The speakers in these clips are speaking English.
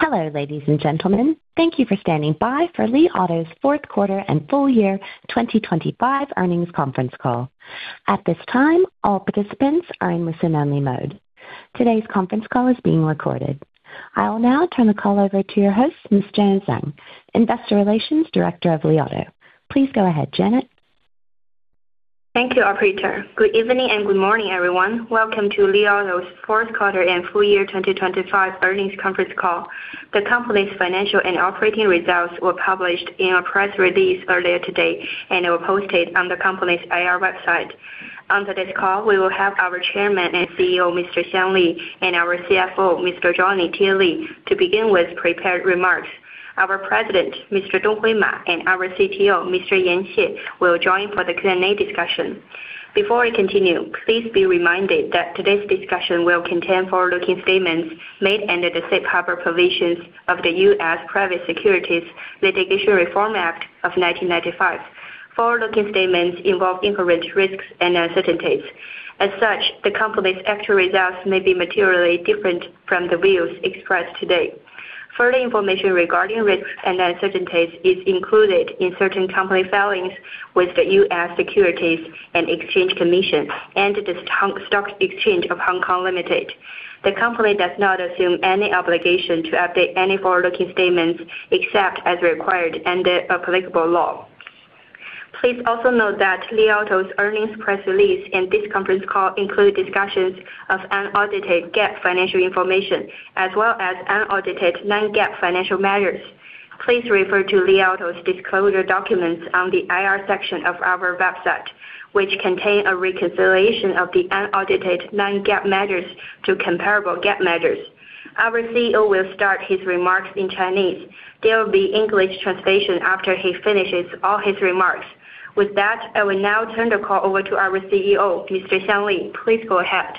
Hello, ladies, and gentlemen, thank you for standing by for Li Auto's Fourth Quarter and Full Year 2025 Earnings Conference Call. At this time all participants are in listen-only mode. Today's conference call is being recorded. I will now turn the call over to your host, Ms. Janet Zhang, Investor Relations Director of Li Auto. Please go ahead, Janet. Thank you, Operator. Good evening and good morning everyone, welcome to Li Auto's Fourth Quarter and Full Year 2025 Earnings Conference Call. The company's financial and operating results were published in a press release earlier today and were posted on the company's IR website. On today's call, we will have our Chairman and CEO, Mr. Li Xiang, and our CFO, Mr. Johnny Tie Li, to begin with prepared remarks. Our President, Mr. Donghui Ma, and our CTO, Mr. Xie Yan will join for the Q&A discussion. Before we continue, please be reminded that today's discussion will contain forward-looking statements made under the Safe Harbor Provisions of the U.S. Private Securities Litigation Reform Act of 1995. Forward-looking statements involve inherent risks and uncertainties. As such, the Company's actual results may be materially different from the views expressed today. Further information regarding risks and uncertainties is included in certain company filings with the U.S. Securities and Exchange Commission and the Stock Exchange of Hong Kong Limited. The company does not assume any obligation to update any forward-looking statements except as required under applicable law. Please also note that Li Auto's earnings press release and this conference call include discussions of unaudited GAAP financial information as well as unaudited non-GAAP financial measures. Please refer to Li Auto's disclosure documents on the IR section of our website, which contain a reconciliation of the unaudited non-GAAP measures to comparable GAAP measures. Our CEO will start his remarks in Chinese. There will be English translation after he finishes all his remarks. With that, I will now turn the call over to our CEO, Mr. Li Xiang. Please go ahead.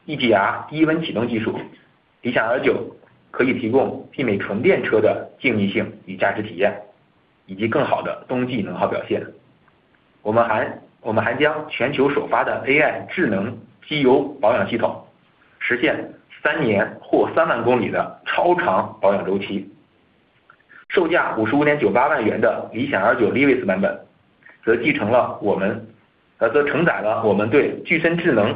Livis版本则承载了我们对具身智能旗舰SUV的深度思考。理想L9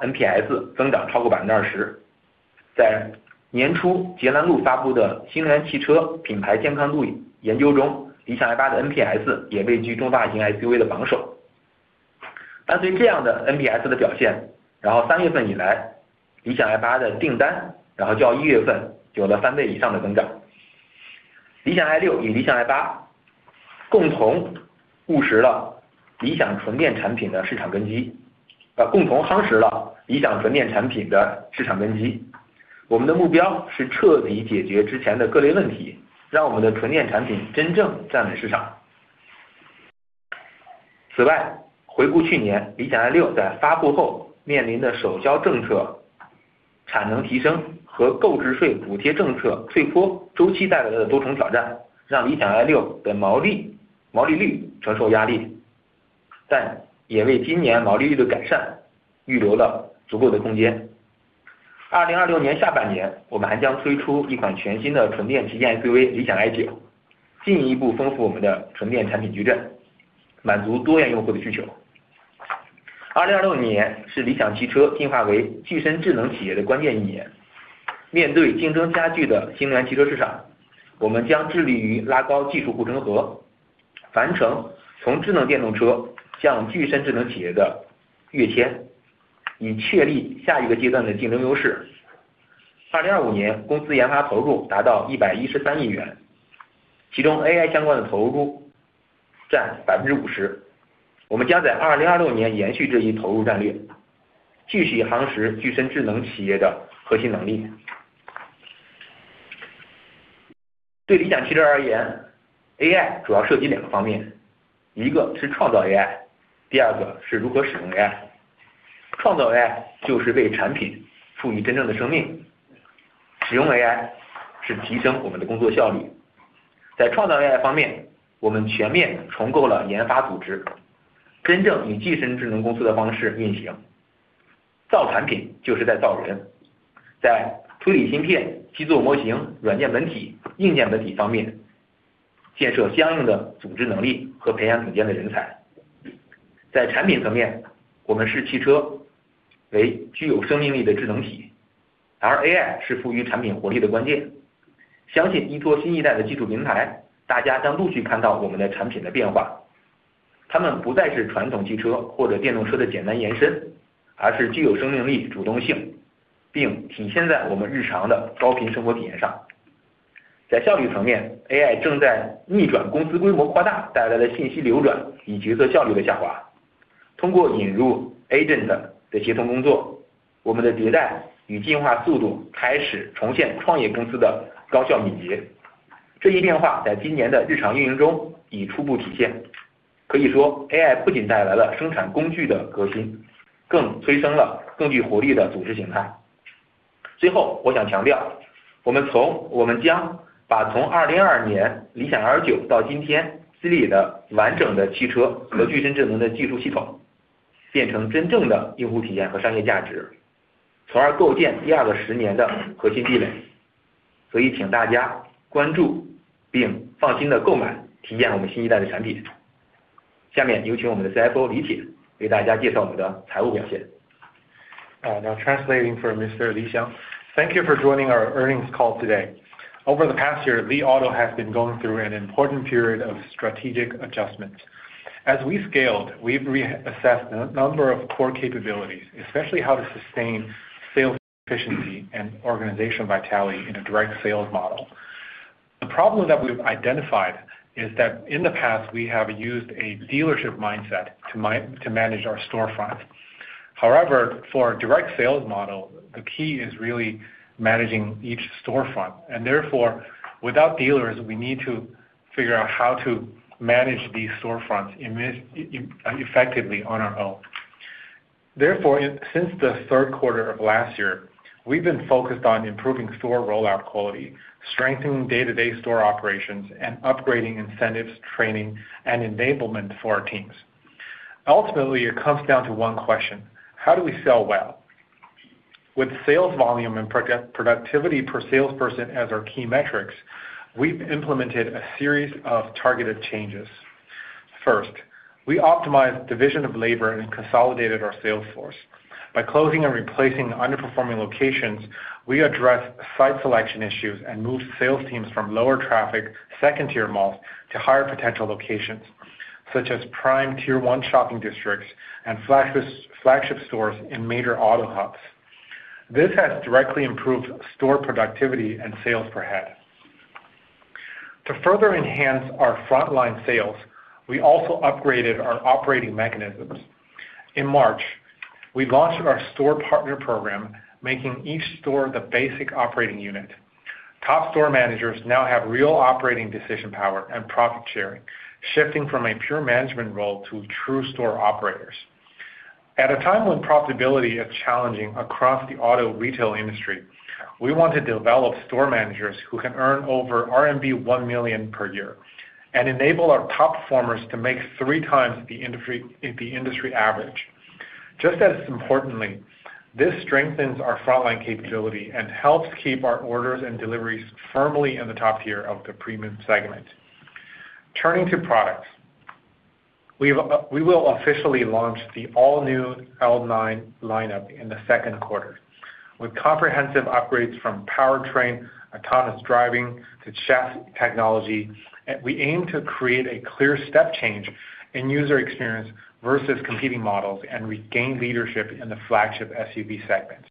NPS增长超过20%。在年初J.D. 李铁给大家介绍我们的财务表现。Now translating for Mr. Li Xiang. Thank you for joining our earnings call today. Over the past year, Li Auto has been going through an important period of strategic adjustment. As we scaled, we've reassessed a number of core capabilities, especially how to sustain sales efficiency and organization vitality in a direct sales model. The problem that we've identified is that in the past, we have used a dealership mindset to manage our storefront. However, for a direct sales model, the key is really managing each storefront and therefore, without dealers, we need to figure out how to manage these storefronts effectively on our own. Since the third quarter of last year, we've been focused on improving store rollout quality, strengthening day-to-day store operations, and upgrading incentives, training, and enablement for our teams. Ultimately, it comes down to one question: how do we sell well? With sales volume and productivity per salesperson as our key metrics, we've implemented a series of targeted changes. First, we optimized division of labor and consolidated our sales force. By closing and replacing underperforming locations, we addressed site selection issues and moved sales teams from lower traffic second-tier malls to higher potential locations, such as prime Tier 1 shopping districts and flagship stores in major auto hubs. This has directly improved store productivity and sales per head. To further enhance our frontline sales, we also upgraded our operating mechanisms. In March, we launched our store partner program, making each store the basic operating unit. Top store managers now have real operating decision power and profit sharing, shifting from a pure management role to true store operators. At a time when profitability is challenging across the auto retail industry, we want to develop store managers who can earn over RMB 1 million per year, and enable our top performers to make three times the industry average. Just as importantly, this strengthens our frontline capability and helps keep our orders and deliveries firmly in the top tier of the premium segment. Turning to products. We will officially launch the all-new L9 lineup in the second quarter. With comprehensive upgrades from powertrain, autonomous driving to chassis technology, we aim to create a clear step change in user experience versus competing models and regain leadership in the flagship SUV segment.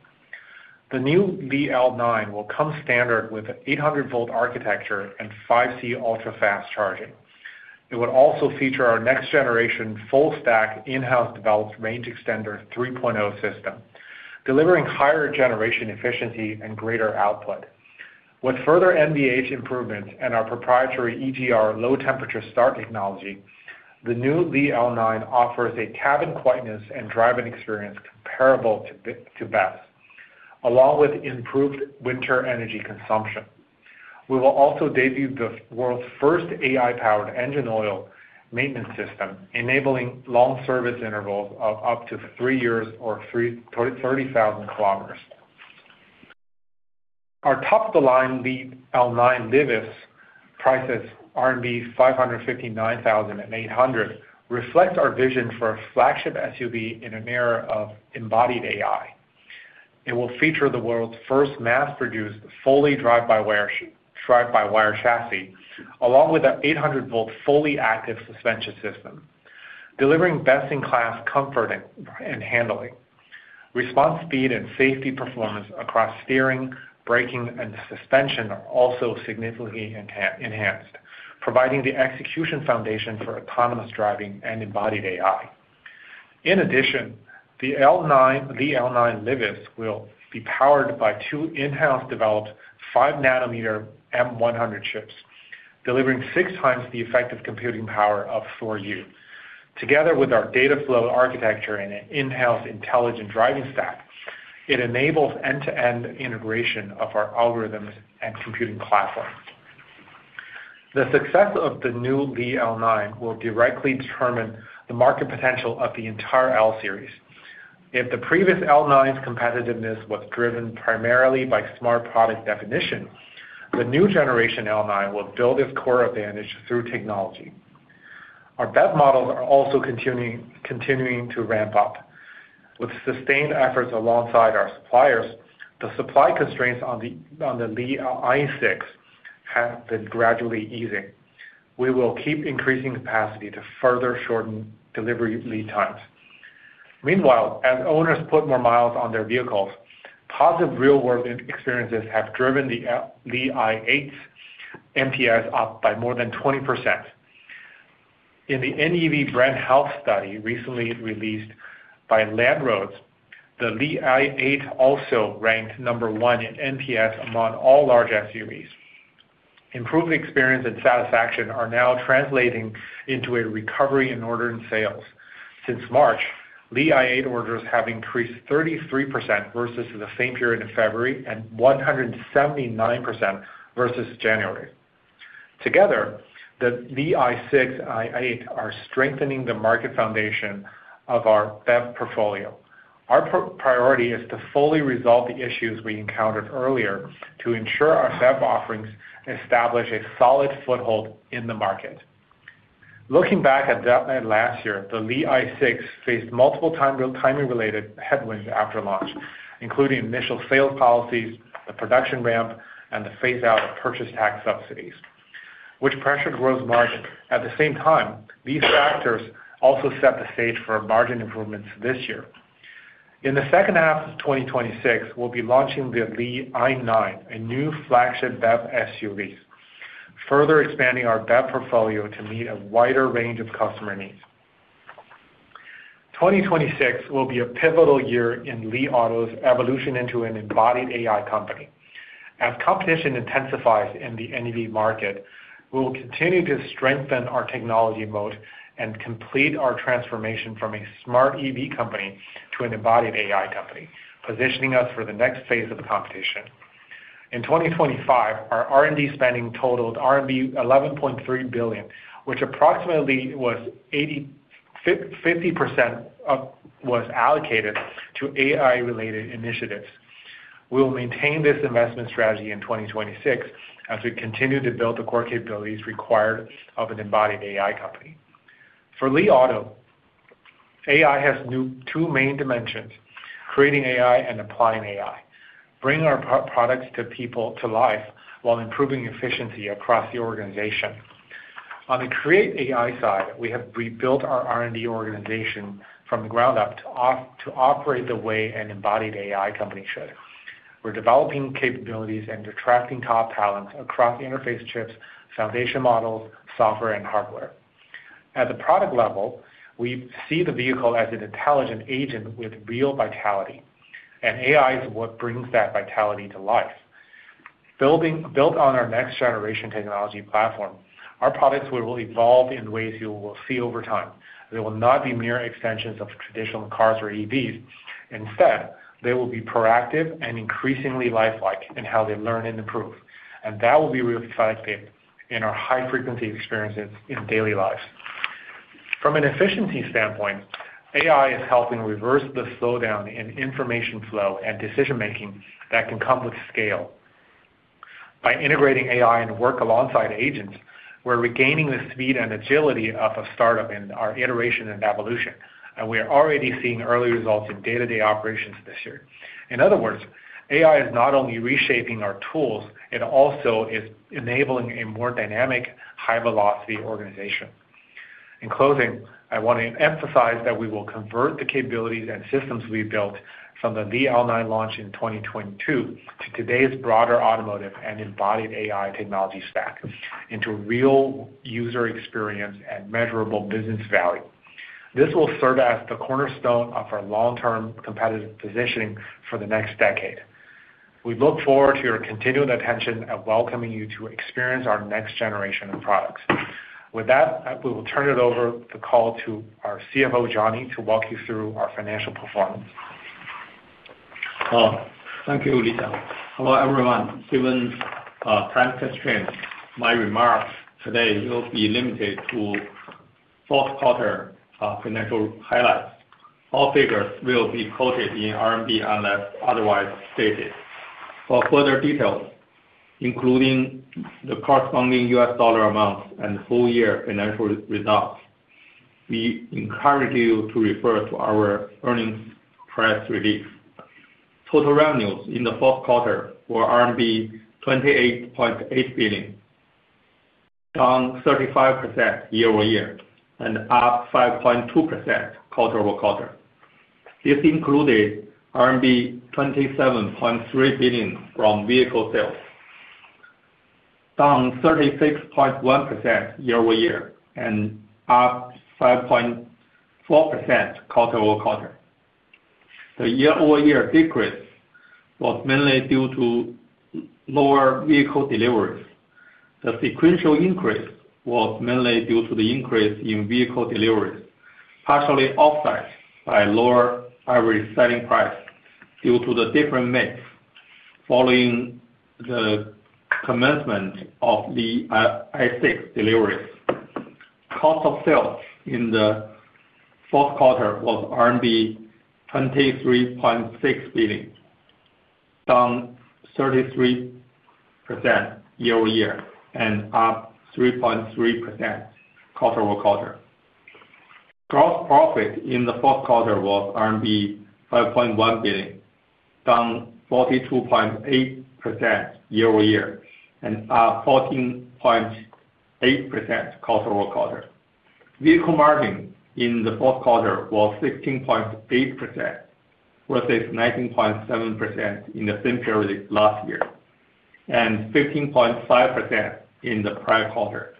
The new Li L9 will come standard with 800 V architecture and 5C ultra-fast charging. It would also feature our next generation full stack in-house developed range extender 3.0 system, delivering higher generation efficiency and greater output. With further MBH improvements and our proprietary EGR low temperature start technology, the new Li L9 offers a cabin quietness and driving experience comparable to BEV, along with improved winter energy consumption. We will also debut the world's first AI-powered engine oil maintenance system, enabling long service intervals of up to three years or 30,000 km. Our top-of-the-line Li L9 Livis, priced at RMB 559,800, reflects our vision for a flagship SUV in an era of embodied AI. It will feature the world's first mass-produced, fully drive-by-wire chassis, along with an 800 V fully active suspension system, delivering best-in-class comfort and handling. Response speed and safety performance across steering, braking, and suspension are also significantly enhanced, providing the execution foundation for autonomous driving and embodied AI. In addition, the Li L9 Livis will be powered by two in-house developed 5 nm M100 chips, delivering six times the effective computing power of four Orin. Together with our data flow architecture and in-house intelligent driving stack, it enables end-to-end integration of our algorithms and computing platforms. The success of the new Li L9 will directly determine the market potential of the entire L-series. If the previous L9's competitiveness was driven primarily by smart product definition, the new generation L9 will build its core advantage through technology. Our BEV models are also continuing to ramp up. With sustained efforts alongside our suppliers, the supply constraints on the Li i6 have been gradually easing. We will keep increasing capacity to further shorten delivery lead times. Meanwhile, as owners put more miles on their vehicles, positive real-world experiences have driven the Li L8 NPS up by more than 20%. In the NEV Brand Health Study, recently released by Land Roads, the Li L8 also ranked number one in NPS among all large SUVs. Improved experience and satisfaction are now translating into a recovery in order and sales. Since March, Li L8 orders have increased 33% versus the same period in February, and 179% versus January. Together, the Li i6, i8 are strengthening the market foundation of our BEV portfolio. Our priority is to fully resolve the issues we encountered earlier to ensure our BEV offerings establish a solid foothold in the market. Looking back at that last year, the Li i6 faced multiple timing-related headwinds after launch, including initial sales policies, the production ramp, and the phase out of purchase tax subsidies, which pressured gross margin. At the same time, these factors also set the stage for margin improvements this year. In the second half of 2026, we'll be launching the Li i9, a new flagship BEV SUV, further expanding our BEV portfolio to meet a wider range of customer needs. 2026 will be a pivotal year in Li Auto's evolution into an embodied AI company. As competition intensifies in the NEV market, we will continue to strengthen our technology moat and complete our transformation from a smart EV company to an embodied AI company, positioning us for the next phase of the competition. In 2025, our R&D spending totaled RMB 11.3 billion, of which approximately 50% was allocated to AI-related initiatives. We will maintain this investment strategy in 2026 as we continue to build the core capabilities required of an embodied AI company. For Li Auto, AI has two main dimensions, creating AI and applying AI, bringing our products to life while improving efficiency across the organization. On the Create AI side, we have rebuilt our R&D organization from the ground up to operate the way an embodied AI company should. We're developing capabilities and attracting top talents across interface chips, foundation models, software, and hardware. At the product level, we see the vehicle as an intelligent agent with real vitality, and AI is what brings that vitality to life. Built on our next generation technology platform, our products will evolve in ways you will see over time. They will not be mere extensions of traditional cars or EVs. Instead, they will be proactive and increasingly lifelike in how they learn and improve, and that will be reified in our high-frequency experiences in daily lives. From an efficiency standpoint, AI is helping reverse the slowdown in information flow and decision-making that can come with scale. By integrating AI to work alongside agents, we're regaining the speed and agility of a startup in our iteration and evolution, and we are already seeing early results in day-to-day operations this year. In other words, AI is not only reshaping our tools, it also is enabling a more dynamic, high-velocity organization. In closing, I wanna emphasize that we will convert the capabilities and systems we built from the L9 launch in 2022 to today's broader automotive and embodied AI technology stack into real user experience and measurable business value. This will serve as the cornerstone of our long-term competitive positioning for the next decade. We look forward to your continued attention and welcoming you to experience our next generation of products. With that, we will turn the call over to our CFO, Johnny, to walk you through our financial performance. Oh, thank you, Li Xiang. Hello, everyone. Given time constraints, my remarks today will be limited to fourth quarter financial highlights. All figures will be quoted in RMB unless otherwise stated. For further details, including the corresponding U.S. dollar amounts and full year financial results, we encourage you to refer to our earnings press release. Total revenues in the fourth quarter were RMB 28.8 billion, down 35% year-over-year and up 5.2% quarter-over-quarter. This included RMB 27.3 billion from vehicle sales, down 36.1% year-over-year and up 5.4% quarter-over-quarter. The year-over-year decrease was mainly due to lower vehicle deliveries. The sequential increase was mainly due to the increase in vehicle deliveries, partially offset by lower average selling price due to the different mix following the commencement of the Li i6 deliveries. Cost of sales in the fourth quarter was RMB 23.6 billion, down 33% year-over-year, and up 3.3% quarter-over-quarter. Gross profit in the fourth quarter was RMB 5.1 billion, down 42.8% year-over-year and up 14.8% quarter-over-quarter. Vehicle margin in the fourth quarter was 16.8% versus 19.7% in the same period last year, and 15.5% in the prior quarter.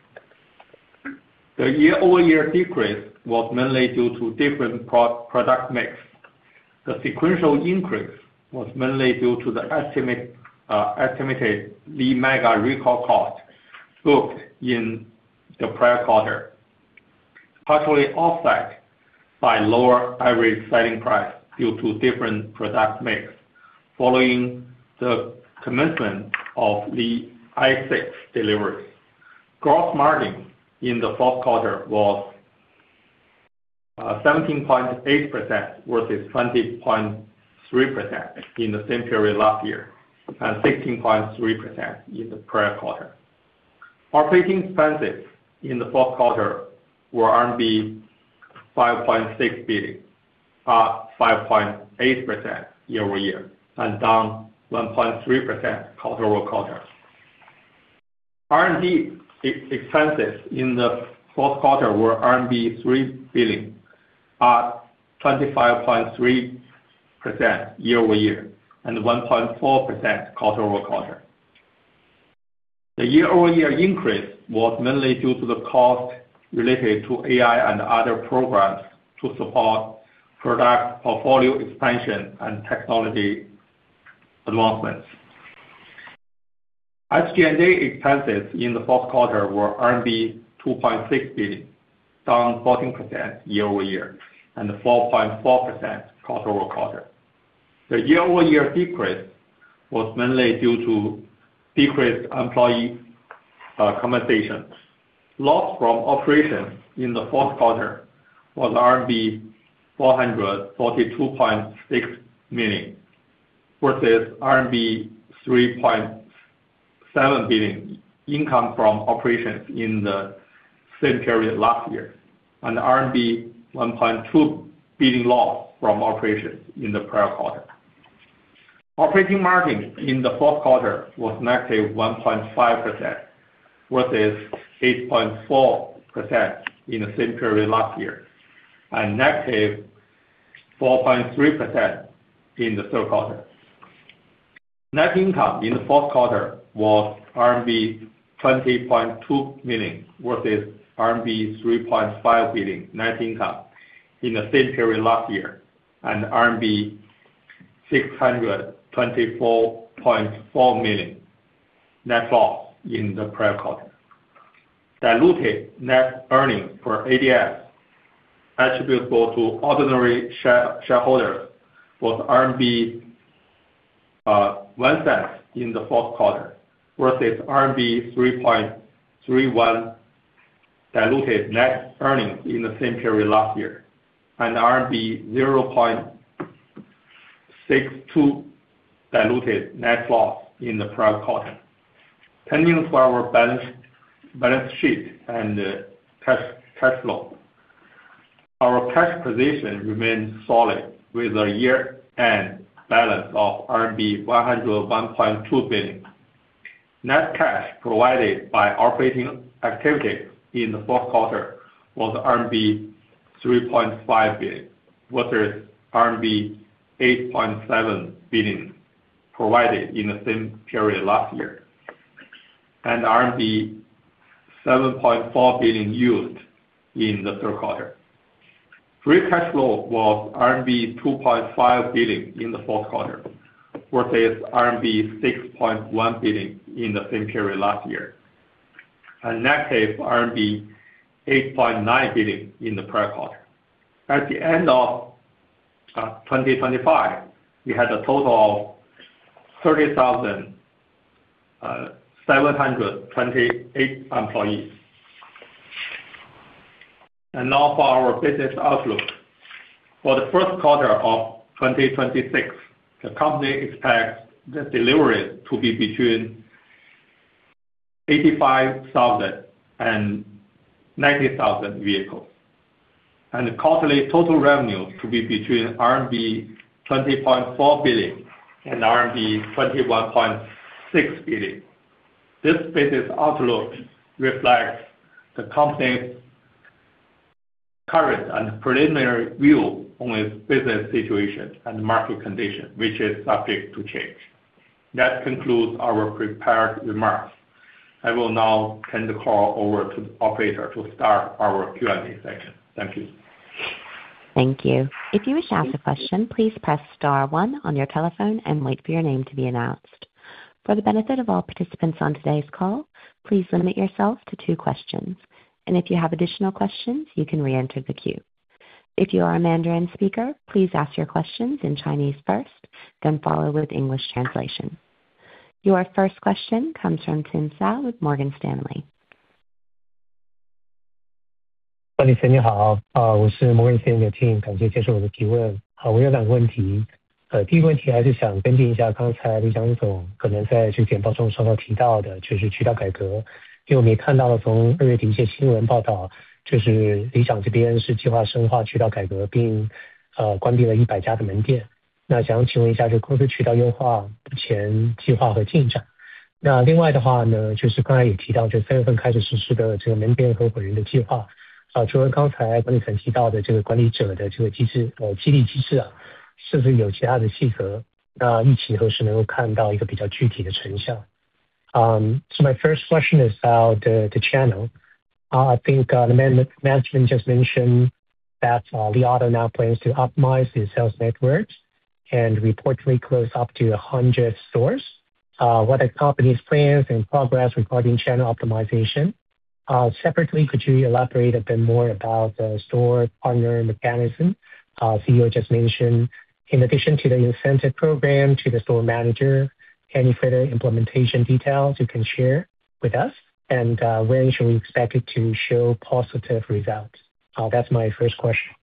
The year-over-year decrease was mainly due to different product mix. The sequential increase was mainly due to the estimated Li MEGA recall cost booked in the prior quarter, partially offset by lower average selling price due to different product mix following the commencement of the Li i6 delivery. Gross margin in the fourth quarter was 17.8% versus 20.3% in the same period last year, and 16.3% in the prior quarter. Operating expenses in the fourth quarter were 5.6 billion, up 5.8% year-over-year and down 1.3% quarter-over-quarter. R&D expenses in the fourth quarter were RMB 3 billion, up 25.3% year-over-year and 1.4% quarter-over-quarter. The year-over-year increase was mainly due to the cost related to AI and other programs to support product portfolio expansion and technology advancements. SG&A expenses in the fourth quarter were RMB 2.6 billion, down 14% year-over-year and 4.4% quarter-over-quarter. The year-over-year decrease was mainly due to decreased employee compensation. Loss from operations in the fourth quarter was RMB 442.6 million versus RMB 3.7 billion income from operations in the same period last year, and RMB 1.2 billion loss from operations in the prior quarter. Operating margin in the fourth quarter was -1.5%, versus 8.4% in the same period last year, and -4.3% in the third quarter. Net income in the fourth quarter was RMB 20.2 million, versus RMB 3.5 billion net income in the same period last year and RMB 624.4 million net loss in the prior quarter. Diluted net earnings per ADS attributable to ordinary shareholders was 0.01 in the fourth quarter versus RMB 3.31 diluted net earnings in the same period last year and RMB 0.62 diluted net loss in the prior quarter. Turning to our balance sheet and cash flow. Our cash position remains solid with a year-end balance of RMB 101.2 billion. Net cash provided by operating activities in the fourth quarter was RMB 3.5 billion, versus RMB 8.7 billion provided in the same period last year and RMB 7.4 billion used in the third quarter. Free cash flow was RMB 2.5 billion in the fourth quarter versus RMB 6.1 billion in the same period last year, and -8.9 billion RMB in the prior quarter. At the end of 2025, we had a total of 30,728 employees. Now for our business outlook. For the first quarter of 2026, the company expects the deliveries to be between 85,000 and 90,000 vehicles, and quarterly total revenue to be between RMB 20.4 billion and RMB 21.6 billion. This business outlook reflects the company's current and preliminary view on its business situation and market condition, which is subject to change. That concludes our prepared remarks. I will now turn the call over to the operator to start our Q&A session. Thank you. Thank you. If you wish to ask a question, please press star one on your telephone and wait for your name to be announced. For the benefit of all participants on today's call, please limit yourself to two questions, and if you have additional questions, you can re-enter the queue. If you are a Mandarin speaker, please ask your questions in Chinese first, then follow with English translation. Your first question comes from Tim Hsiao with Morgan Stanley. My first question is about the channel. I think the management just mentioned that Li Auto now plans to optimize its sales networks and reportedly close up to 100 stores. What are the company's plans and progress regarding channel optimization? Separately, could you elaborate a bit more about the store partner mechanism? CEO just mentioned, in addition to the incentive program to the store manager, any further implementation details you can share with us? When should we expect it to show positive results? That's my first question.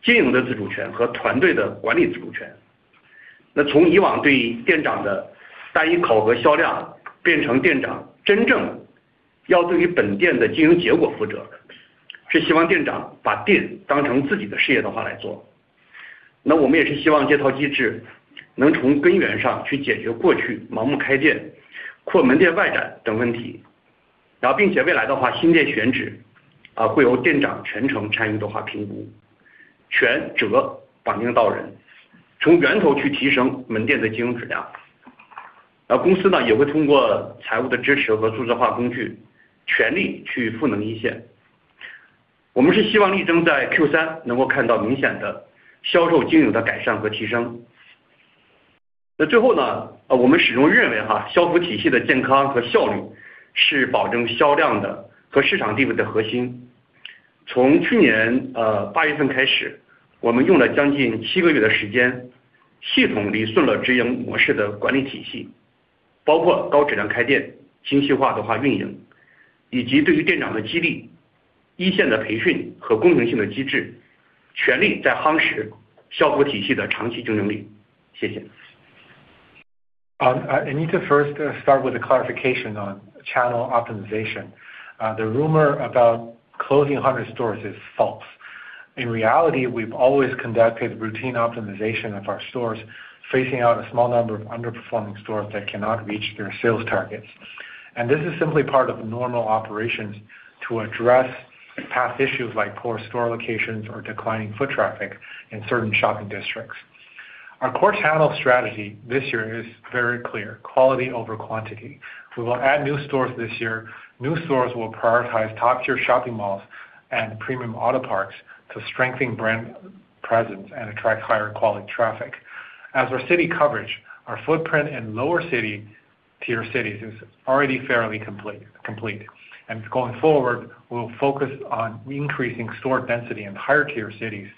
Q3 I need to first start with a clarification on channel optimization. The rumor about closing 100 stores is false. In reality, we've always conducted routine optimization of our stores, phasing out a small number of underperforming stores that cannot reach their sales targets. This is simply part of normal operations to address past issues like poor store locations or declining foot traffic in certain shopping districts. Our core channel strategy this year is very clear: quality over quantity. We will add new stores this year. New stores will prioritize top-tier shopping malls and premium auto parts to strengthen brand presence and attract higher quality traffic. As for city coverage, our footprint in lower-tier cities is already fairly completed, and going forward, we'll focus on increasing store density in higher-tier cities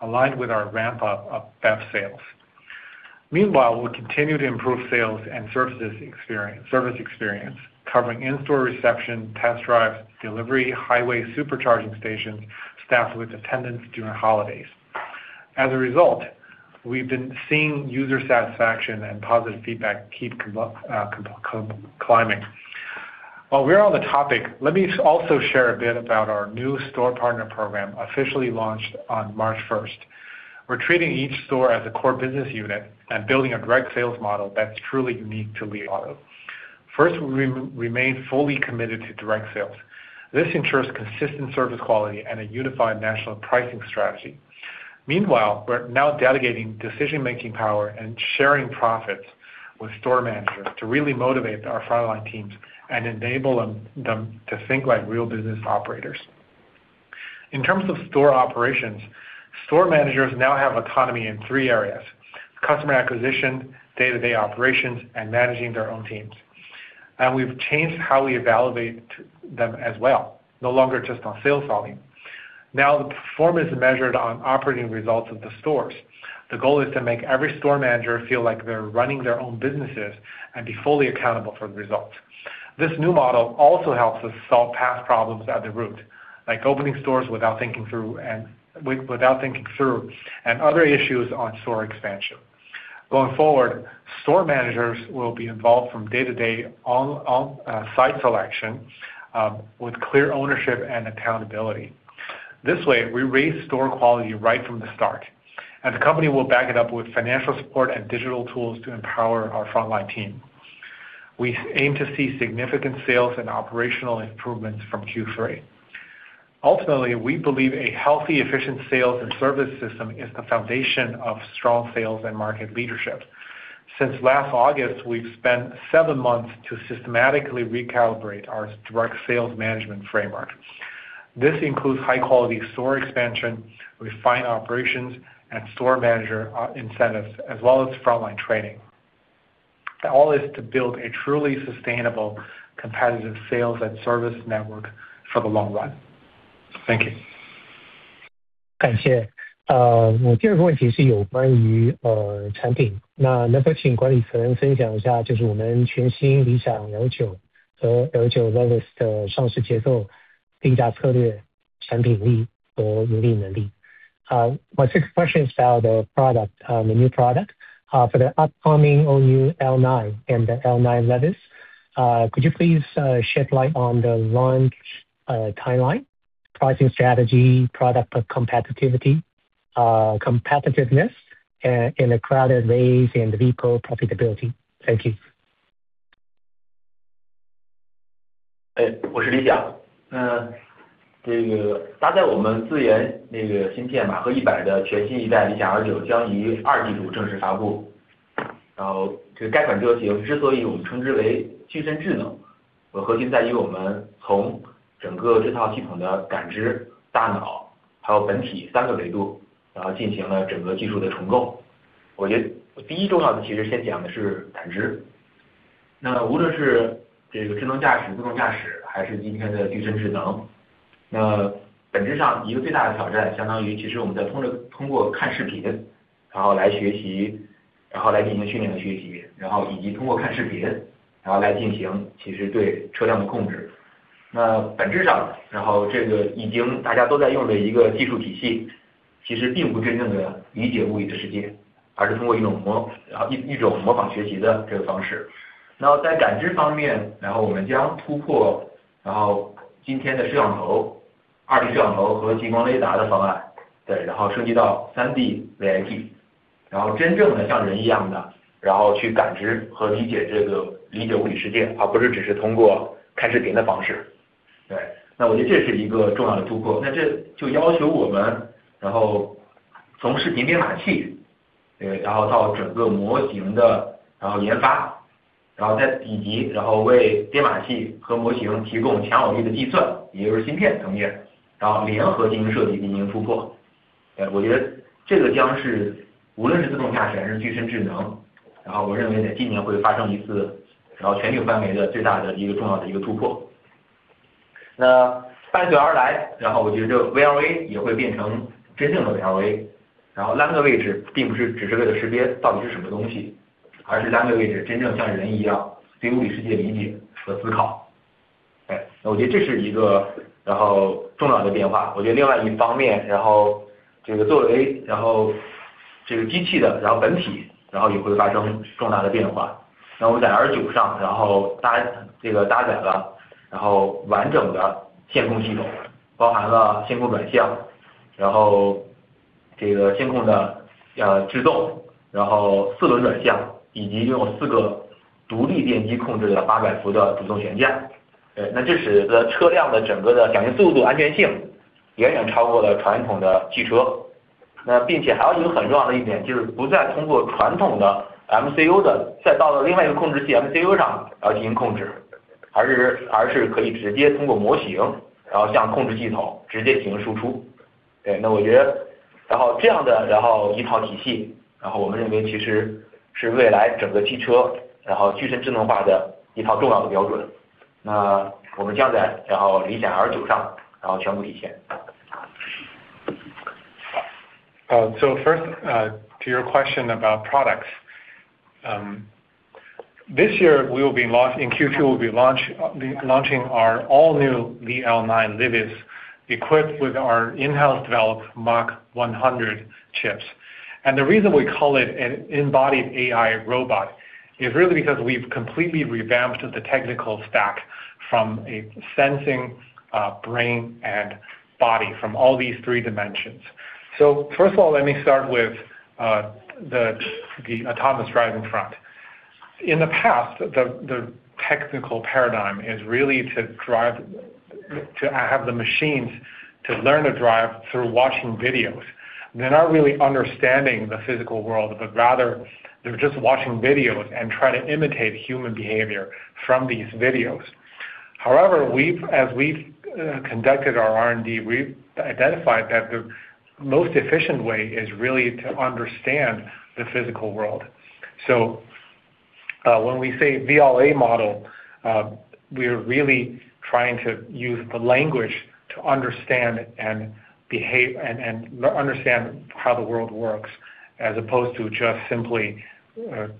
aligned with our ramp up of BEV sales. We'll continue to improve sales and service experience covering in-store reception, test drives, delivery, highway supercharging stations staffed with attendants during holidays. As a result, we've been seeing user satisfaction and positive feedback keep climbing. While we're on the topic, let me also share a bit about our new store partner program officially launched on March 1st. We're treating each store as a core business unit and building a direct sales model that's truly unique to Li Auto. First, we remain fully committed to direct sales. This ensures consistent service quality and a unified national pricing strategy. Meanwhile, we're now delegating decision-making power and sharing profits with store managers to really motivate our frontline teams and enable them to think like real business operators. In terms of store operations, store managers now have autonomy in three areas, customer acquisition, day-to-day operations, and managing their own teams. We've changed how we evaluate them as well, no longer just on sales volume. Now the performance is measured on operating results of the stores. The goal is to make every store manager feel like they're running their own businesses and be fully accountable for the results. This new model also helps us solve past problems at the root, like opening stores without thinking through, and other issues on store expansion. Going forward, store managers will be involved from day to day on site selection with clear ownership and accountability. This way, we raise store quality right from the start, and the company will back it up with financial support and digital tools to empower our frontline team. We aim to see significant sales and operational improvements from Q3. Ultimately, we believe a healthy, efficient sales and service system is the foundation of strong sales and market leadership. Since last August, we've spent seven months to systematically recalibrate our direct sales management framework. This includes high-quality store expansion, refined operations and store manager incentives, as well as frontline training. All is to build a truly sustainable competitive sales and service network for the long run. Thank you. 谢谢。我第二个问题是关于，产品。那能否请管理层分享一下，就是我们全新理想L9和L9 Livis的上市节奏、定价策略、产品力和盈利能力。My second question is about the product, the new product, for the upcoming all-new Li L9 and the Li L9 Livis, could you please shed light on the launch timeline, pricing strategy, product competitiveness in a crowded race and vehicle profitability? Thank you. 我是李想。这款搭载我们自研芯片马赫一百的全新一代理想L9将于二季度正式发布。该款车型之所以我们称之为具身智能，核心在于我们从整个这套系统的感知、大脑，还有本体三个维度，进行了整个技术的重构。我觉得第一重要的其实先讲的是感知。无论是智能驾驶、自动驾驶，还是今天的具身智能，本质上一个最大的挑战，相当于其实我们在通过看视频来学习，然后进行训练的学习，以及通过看视频来进行对车辆的控制。本质上，这个已经大家都在用的一个技术体系，其实并不真正地理解物理的世界，而是通过一种模仿学习的方式。在感知方面，我们将突破今天的摄像头，2D摄像头和激光雷达的方案，升级到3D ViT，真正地像人一样去感知和理解物理世界，而不是只是通过看视频的方式。我觉得这是一个重要的突破。这就要求我们从视频编码器到整个模型的研发，以及为编码器和模型提供强有力的计算，也就是芯片层面，联合进行设计，进行突破。我觉得这将是无论是自动驾驶还是具身智能，我认为在今年会发生一次全领域范围内最大的一个重要突破。伴随而来，我觉得VLA也会变成真正的VLA，那个位置并不是只是为了识别到底是什么东西，而是真正像人一样对物理世界理解和思考。我觉得这是一个重要的变化。另外一方面，作为机器的本体，也会发生重大的变化。我们在L9上搭载了完整的线控系统，包含了线控转向、线控制动、四轮转向，以及用四个独立电机控制的八百伏的驱动悬架。这使得车辆整个的响应速度、安全性远远超过了传统的汽车。并且还有一个很重要的一点，就是不再通过传统的MCU再到另外一个控制器MCU上进行控制，而是可以直接通过模型向控制系统直接进行输出。我觉得这样的一套体系，我们认为其实是未来整个汽车具身智能化的一套重要的标准，我们将要在理想L9上全部实现。First, to your question about products. This year we will be launching in Q2 our all-new Li L9 vehicles equipped with our in-house developed M100 chips. The reason we call it an embodied AI robot is really because we've completely revamped the technical stack from a sensing, brain and body from all these three dimensions. First of all, let me start with the autonomous driving front. In the past, the technical paradigm is really to have the machines to learn to drive through watching videos. They're not really understanding the physical world, but rather they're just watching videos and try to imitate human behavior from these videos. However, as we've conducted our R&D, we've identified that the most efficient way is really to understand the physical world. When we say VLA model, we're really trying to use the language to understand and behave and understand how the world works, as opposed to just simply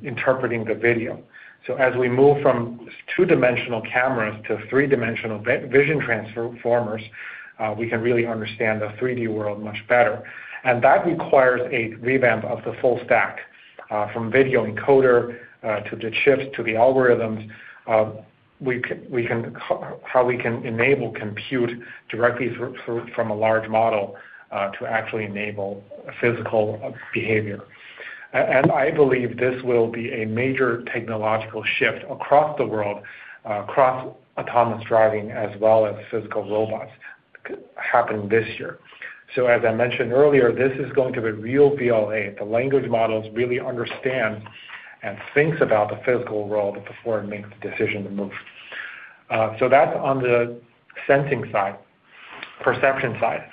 interpreting the video. As we move from two-dimensional cameras to three-dimensional vision transformers, we can really understand the 3D world much better. That requires a revamp of the full stack from video encoder to the chips to the algorithms. How we can enable compute directly through from a large model to actually enable physical behavior. I believe this will be a major technological shift across the world across autonomous driving as well as physical robots happening this year. As I mentioned earlier, this is going to be real VLA. The language models really understand and thinks about the physical world before it makes the decision to move. That's on the sensing side, perception side.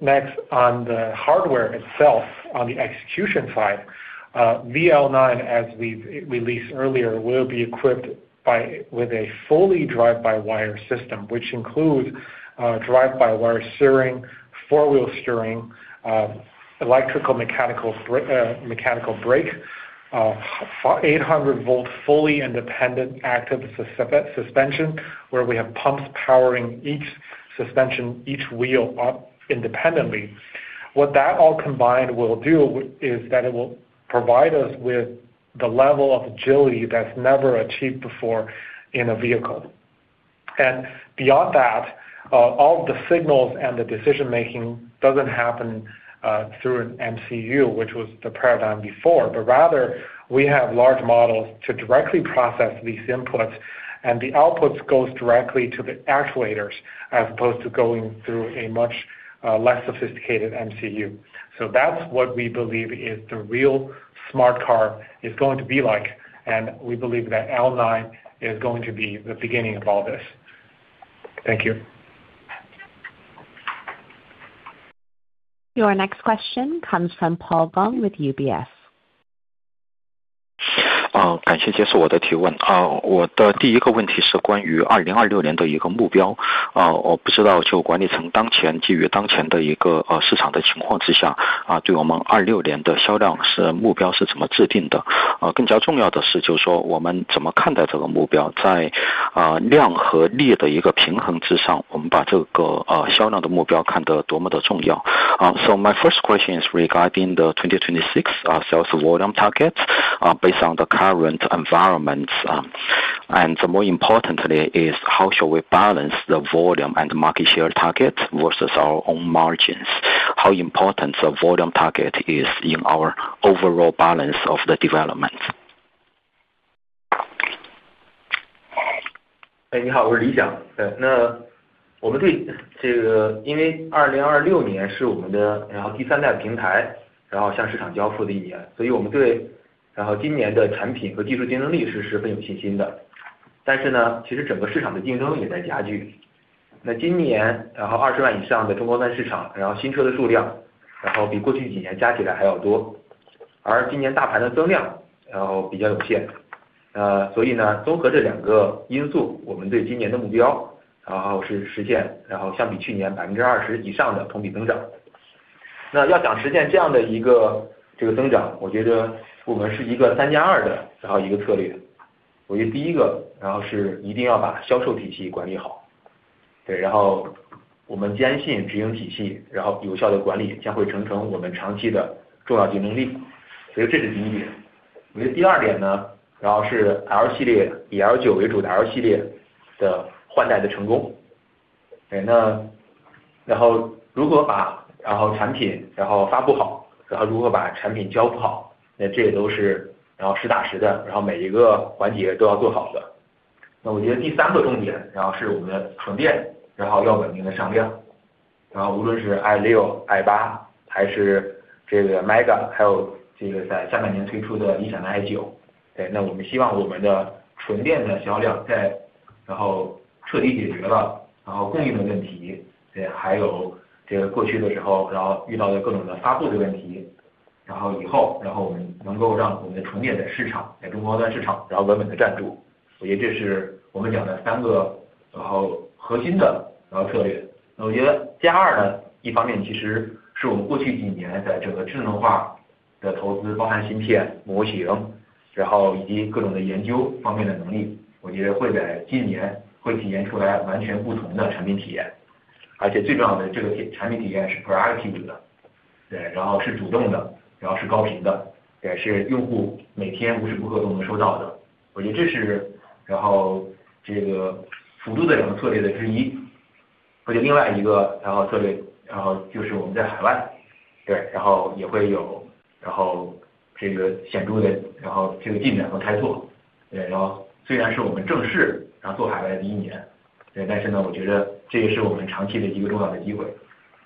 Next on the hardware itself, on the execution side, Li L9, as we've released earlier, will be equipped with a fully drive-by-wire system, which include drive-by-wire steering, four-wheel steering, electro-mechanical brake, 800 V fully independent active suspension, where we have pumps powering each suspension, each wheel, independently. What that all combined will do is that it will provide us with the level of agility that's never achieved before in a vehicle. Beyond that, all the signals and the decision making doesn't happen through an MCU, which was the paradigm before, but rather we have large models to directly process these inputs, and the outputs goes directly to the actuators as opposed to going through a much less sophisticated MCU. That's what we believe is the real smart car is going to be like. We believe that L9 is going to be the beginning of all this. Thank you. Your next question comes from Paul Gong with UBS. My first question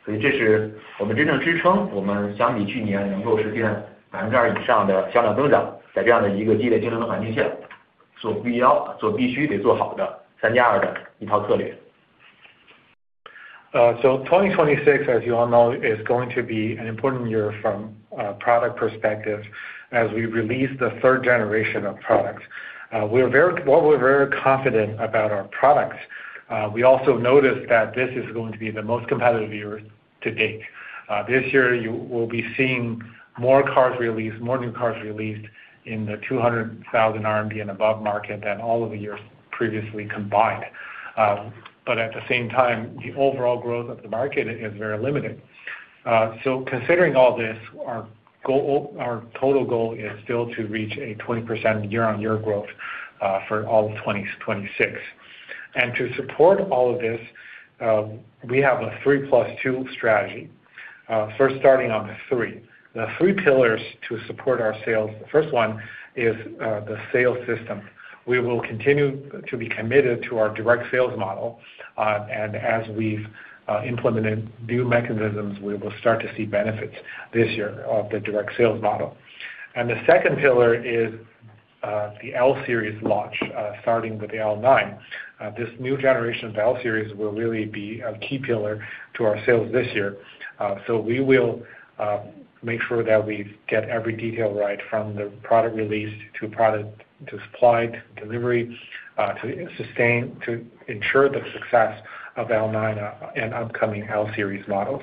is regarding the 2026 sales volume target based on the current environment. More importantly, how should we balance the volume and market share target versus our own margins? How important the volume target is in our overall balance of the development? So 2026, as you all know, is going to be an important year from product perspective as we release the third generation of products. We're very confident about our products. We also noticed that this is going to be the most competitive year to date. This year you will be seeing more cars released, more new cars released in the 200,000 RMB and above market than all of the years previously combined. But at the same time, the overall growth of the market is very limited. Considering all this, our total goal is still to reach a 20% year-on-year growth for all of 2026. To support all of this, we have a 3+2 strategy. First, starting on the three. The three pillars to support our sales. The first one is the sales system. We will continue to be committed to our direct sales model. As we've implemented new mechanisms, we will start to see benefits this year of the direct sales model. The second pillar is the L-series launch, starting with the Li L9. This new generation of L-series will really be a key pillar to our sales this year. We will make sure that we get every detail right from the product release to production to supply, to delivery, to ensure the success of Li L9 and upcoming L-series models.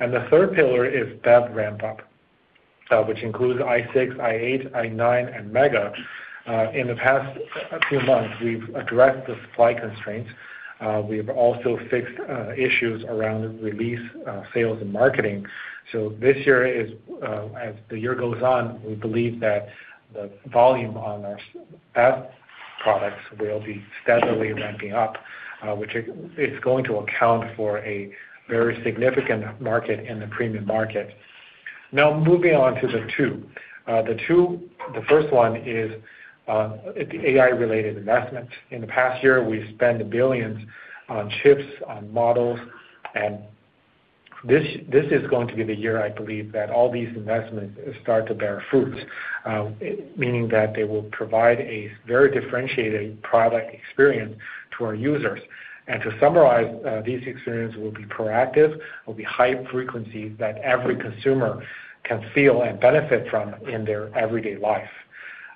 The third pillar is BEV ramp up, which includes Li i6, Li i8, Li i9, and Li MEGA. In the past few months, we've addressed the supply constraints. We've also fixed issues around release, sales and marketing. This year, as the year goes on, we believe that the volume on our L products will be steadily ramping up, which is going to account for a very significant market in the premium market. Now moving on to the two. The first one is AI-related investment. In the past year, we've spent billions on chips, on models, and this is going to be the year I believe that all these investments start to bear fruits, meaning that they will provide a very differentiated product experience to our users. To summarize, these experiences will be proactive, will be high frequency that every consumer can feel and benefit from in their everyday life.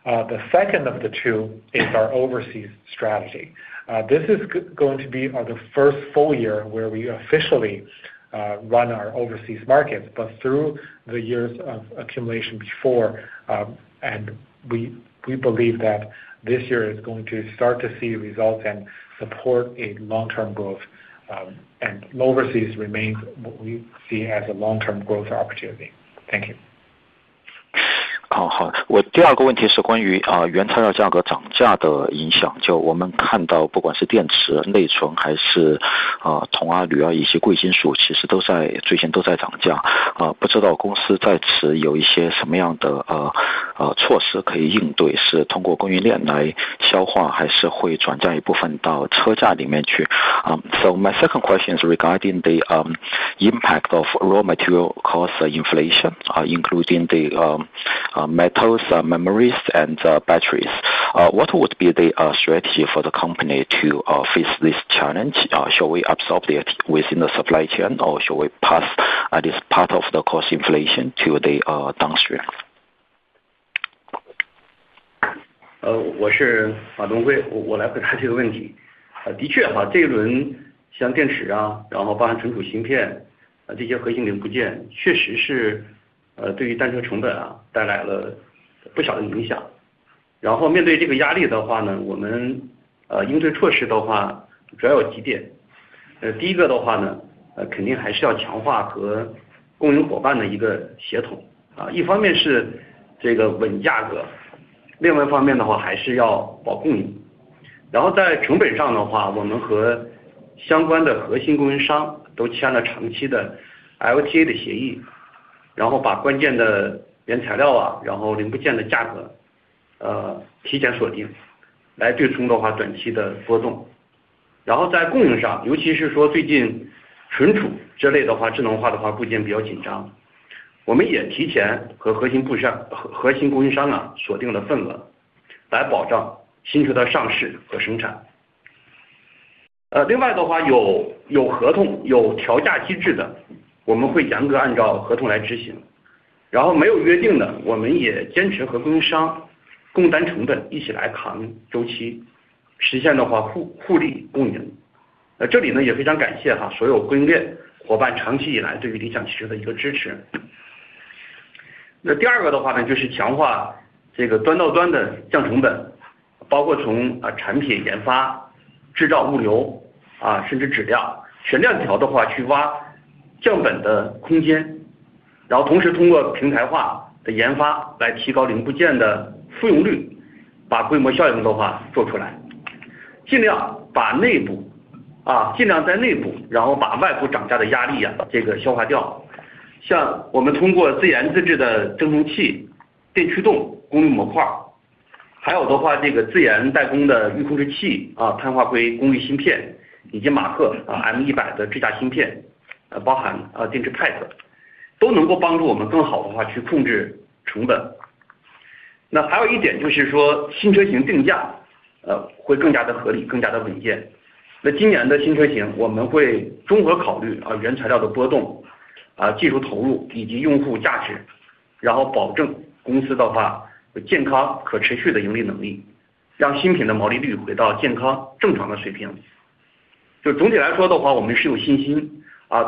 The second of the two is our overseas strategy. This is going to be the first full year where we officially run our overseas markets, but through the years of accumulation before, and we believe that this year is going to start to see results and support a long-term growth, and overseas remains what we see as a long-term growth opportunity. Thank you. 好，我第二个问题是关于原材料价格涨价的影响，就我们看到不管是电池、内存还是铜、铝以及贵金属，其实都在最近都在涨价，不知道公司在此有一些什么样的措施可以应对，是通过供应链来消化，还是会转嫁一部分到车价里面去。So my second question is regarding the impact of raw material cost inflation, including the metals, memories, and batteries. What would be the strategy for the company to face this challenge? Shall we absorb it within the supply chain or shall we pass this part of the cost inflation to the downstream?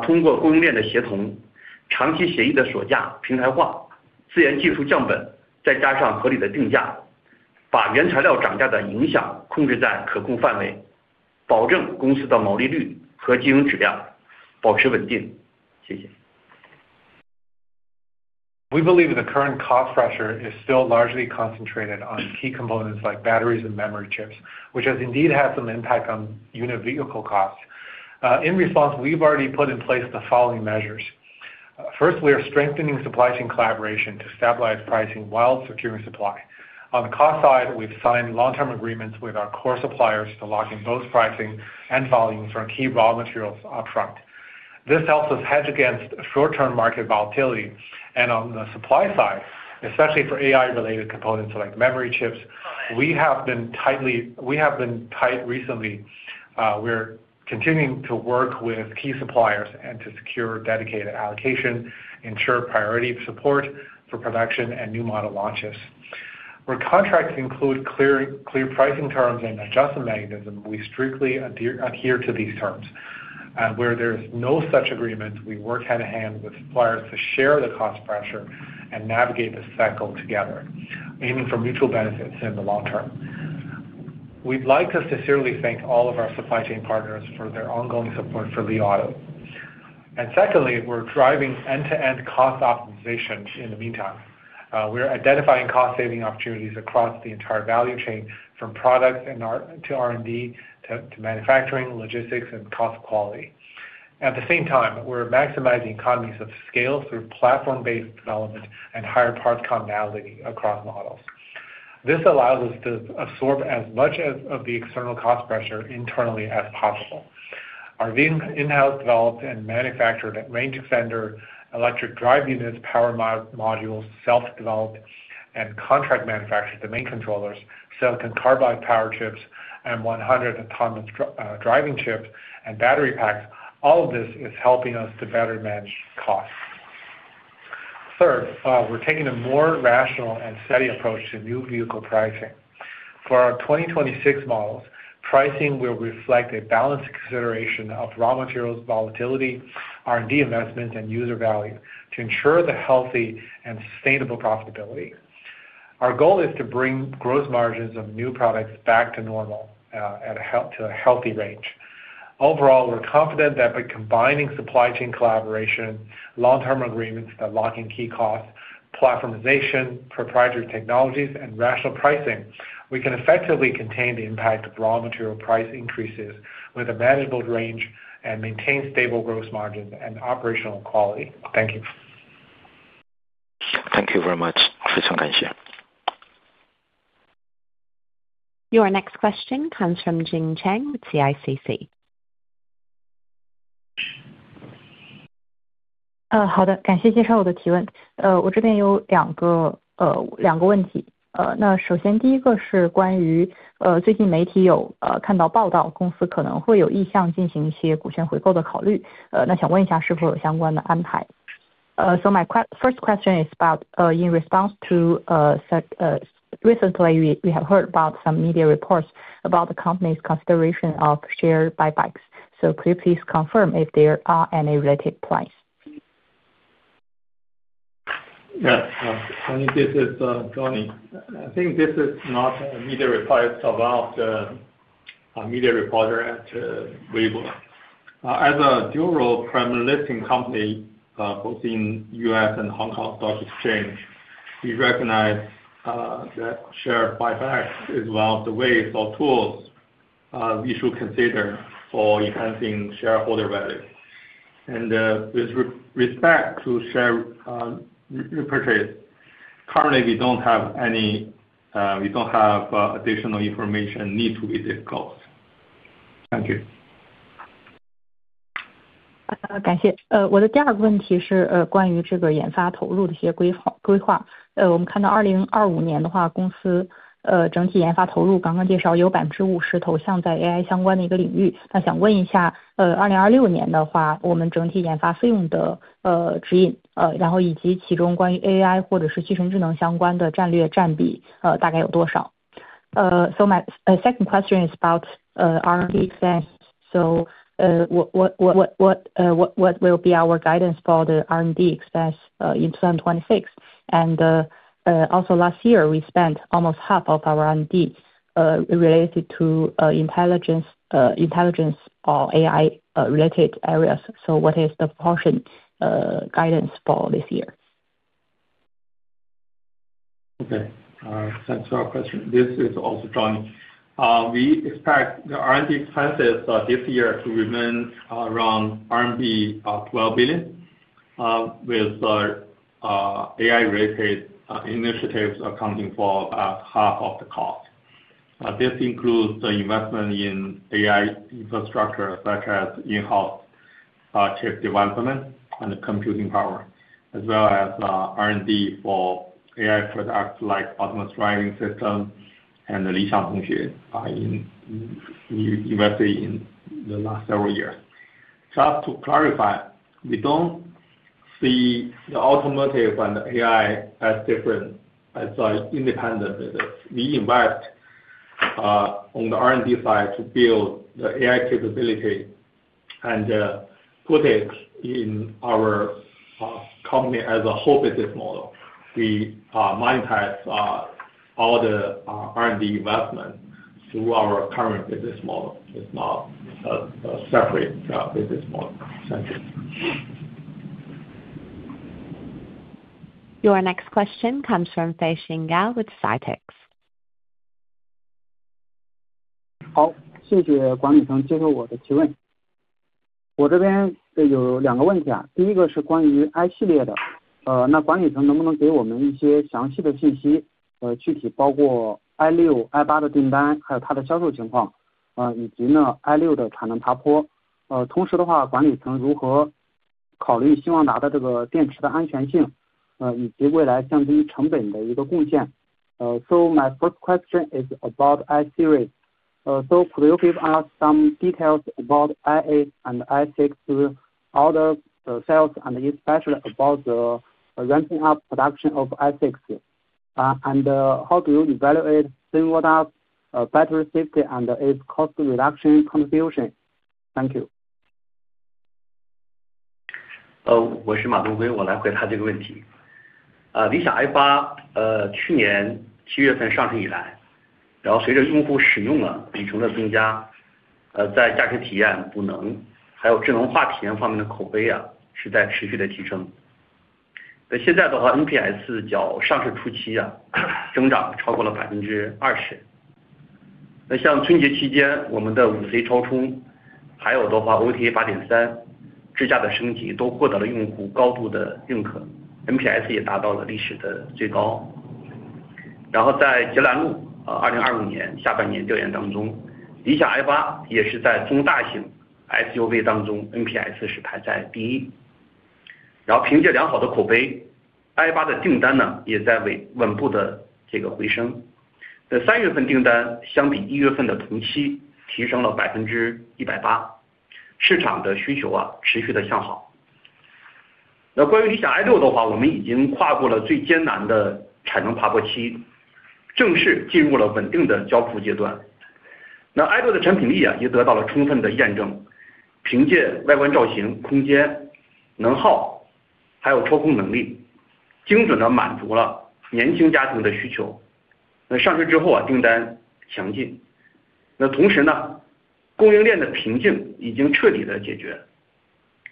We believe the current cost pressure is still largely concentrated on key components like batteries and memory chips, which has indeed had some impact on unit vehicle costs. In response, we've already put in place the following measures. First, we are strengthening supply chain collaboration to stabilize pricing while securing supply. On the cost side, we've signed long-term agreements with our core suppliers to lock in both pricing and volumes for our key raw materials upfront. This helps us hedge against short-term market volatility. On the supply side, especially for AI-related components like memory chips, we have been tight recently. We're continuing to work with key suppliers and to secure dedicated allocation, ensure priority of support for production and new model launches. Where contracts include clear pricing terms and adjustment mechanism, we strictly adhere to these terms. Where there is no such agreement, we work hand-in-hand with suppliers to share the cost pressure and navigate the cycle together, aiming for mutual benefits in the long term. We'd like to sincerely thank all of our supply chain partners for their ongoing support for Li Auto. Secondly, we're driving end-to-end cost optimizations in the meantime. We are identifying cost-saving opportunities across the entire value chain from product and R&D to manufacturing, logistics, cost and quality. At the same time, we're maximizing economies of scale through platform-based development and higher parts commonality across models. This allows us to absorb as much as possible of the external cost pressure internally. Our in-house developed and manufactured range extender, electric drive units, power modules, self-developed and contract manufactured domain controllers, silicon carbide power chips M100 tons of driving chips and battery packs. All of this is helping us to better manage costs. Third, we're taking a more rational and steady approach to new vehicle pricing. For our 2026 models, pricing will reflect a balanced consideration of raw materials volatility, R&D investments, and user value to ensure healthy and sustainable profitability. Our goal is to bring gross margins of new products back to normal, to a healthy range. Overall, we're confident that by combining supply chain collaboration, long term agreements that lock in key costs, platformization, proprietary technologies and rational pricing, we can effectively contain the impact of raw material price increases with a manageable range and maintain stable gross margins and operational quality. Thank you. Thank you very much. Your next question comes from Jing Chang with CICC. First question is about recent media reports about the company's consideration of share buybacks. Could you please confirm if there are any related plans? Yes. I think, this is Johnny. I think this is not a media request about media reporter at Weibo. As a dual role primary listing company, both in U.S. and Hong Kong Stock Exchange, we recognize that share buyback is one of the ways or tools we should consider for enhancing shareholder value. With respect to share repurchase, currently we don't have any additional information need to be disclosed. Thank you. 我的第二个问题是关于研发投入的一些规划。我们看到2025年的话，公司整体研发投入刚刚介绍有50%投向在AI相关的一个领域。那想问一下，2026年的话，我们整体研发费用的指引，然后以及其中关于AI或者是汽车智能相关的战略占比，大概有多少？My second question is about R&D expense. What will be our guidance for the R&D expense in 2026? Also, last year we spent almost half of our R&D related to intelligence or AI related areas. What is the portion guidance for this year? Okay, thanks for our question. This is also Johnny. We expect the R&D expenses this year to remain around RMB 12 billion with our AI related initiatives accounting for about half of the cost. This includes the investment in AI infrastructure such as in-house chip development and computing power, as well as R&D for AI products like autonomous driving system and Li Xiang engine invested in the last several years. Just to clarify, we don't see the automotive and AI as different as independent business. We invest on the R&D side to build the AI capability and put it in our company as a whole business model. We monetize all the R&D investment through our current business model. It's not a separate business model. Thank you. Your next question comes from Fei Xing Yao with CITICS. 好，谢谢管理层接受我的提问。我这边有两个问题，第一个是关于 i 系列的，那管理层能不能给我们一些详细的信息，具体包括 i6、i8 的订单，还有它的销售情况，以及 i6 的产能爬坡。同时的话，管理层如何考虑欣旺达的这个电池的安全性，以及未来降低成本的一个贡献。So my first question is about the i-series. Could you give us some details about Li i8 and Li i6 orders, sales and especially about the ramping up production of Li i6? How do you evaluate Sunwoda battery safety and its cost reduction contribution? Thank you. 我是马东辉，我来回答这个问题。理想 i8 去年七月份上市以来，随着用户使用里程的增加，在驾驶体验、能耗还有智能化体验方面的口碑是在持续的提升。现在的话，NPS 较上市初期增长超过了 20%。像春节期间我们的 5C 超充，还有 OTA 8.3 智驾的升级都获得了用户高度的认可，NPS 也达到了历史的最高。然后在捷蓝路 2025 年下半年调研当中，理想 i8 也是在中大型 SUV 当中，NPS 是排在第一。凭借良好的口碑，i8 的订单也在稳步地回升。在三月份订单相比一月份的同期提升了 180%，市场的需求持续地向好。关于理想 i6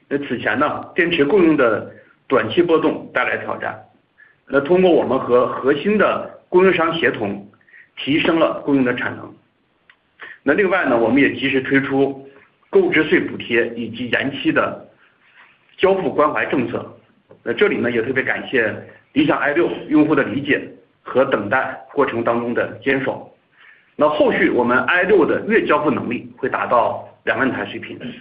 i6 用户的理解和等待过程当中的坚守。后续我们 i6 的月交付能力会达到两万台水平。在手的订单也会在未来一到两个月内高效地交付。更重要的是，i6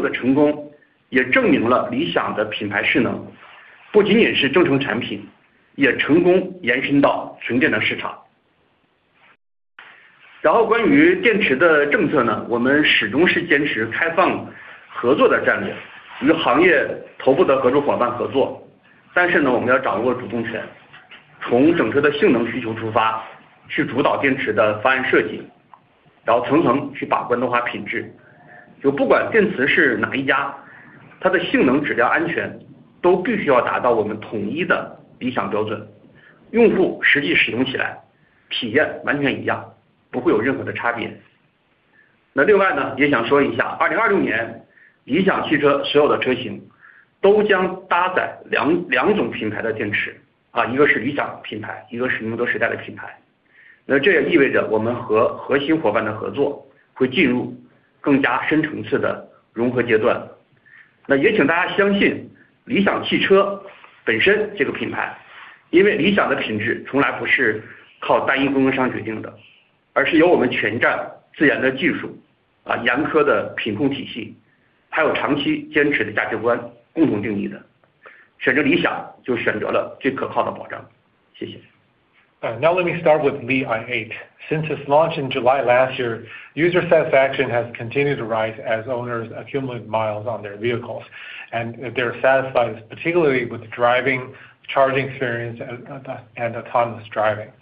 的成功也证明了理想的品牌势能不仅仅是增程产品，也成功延伸到纯电的市场。Now let me start with Li L8. Since its launch in July last year, user satisfaction has continued to rise as owners accumulate miles on their vehicles, and they're satisfied particularly with driving, charging experience and autonomous driving.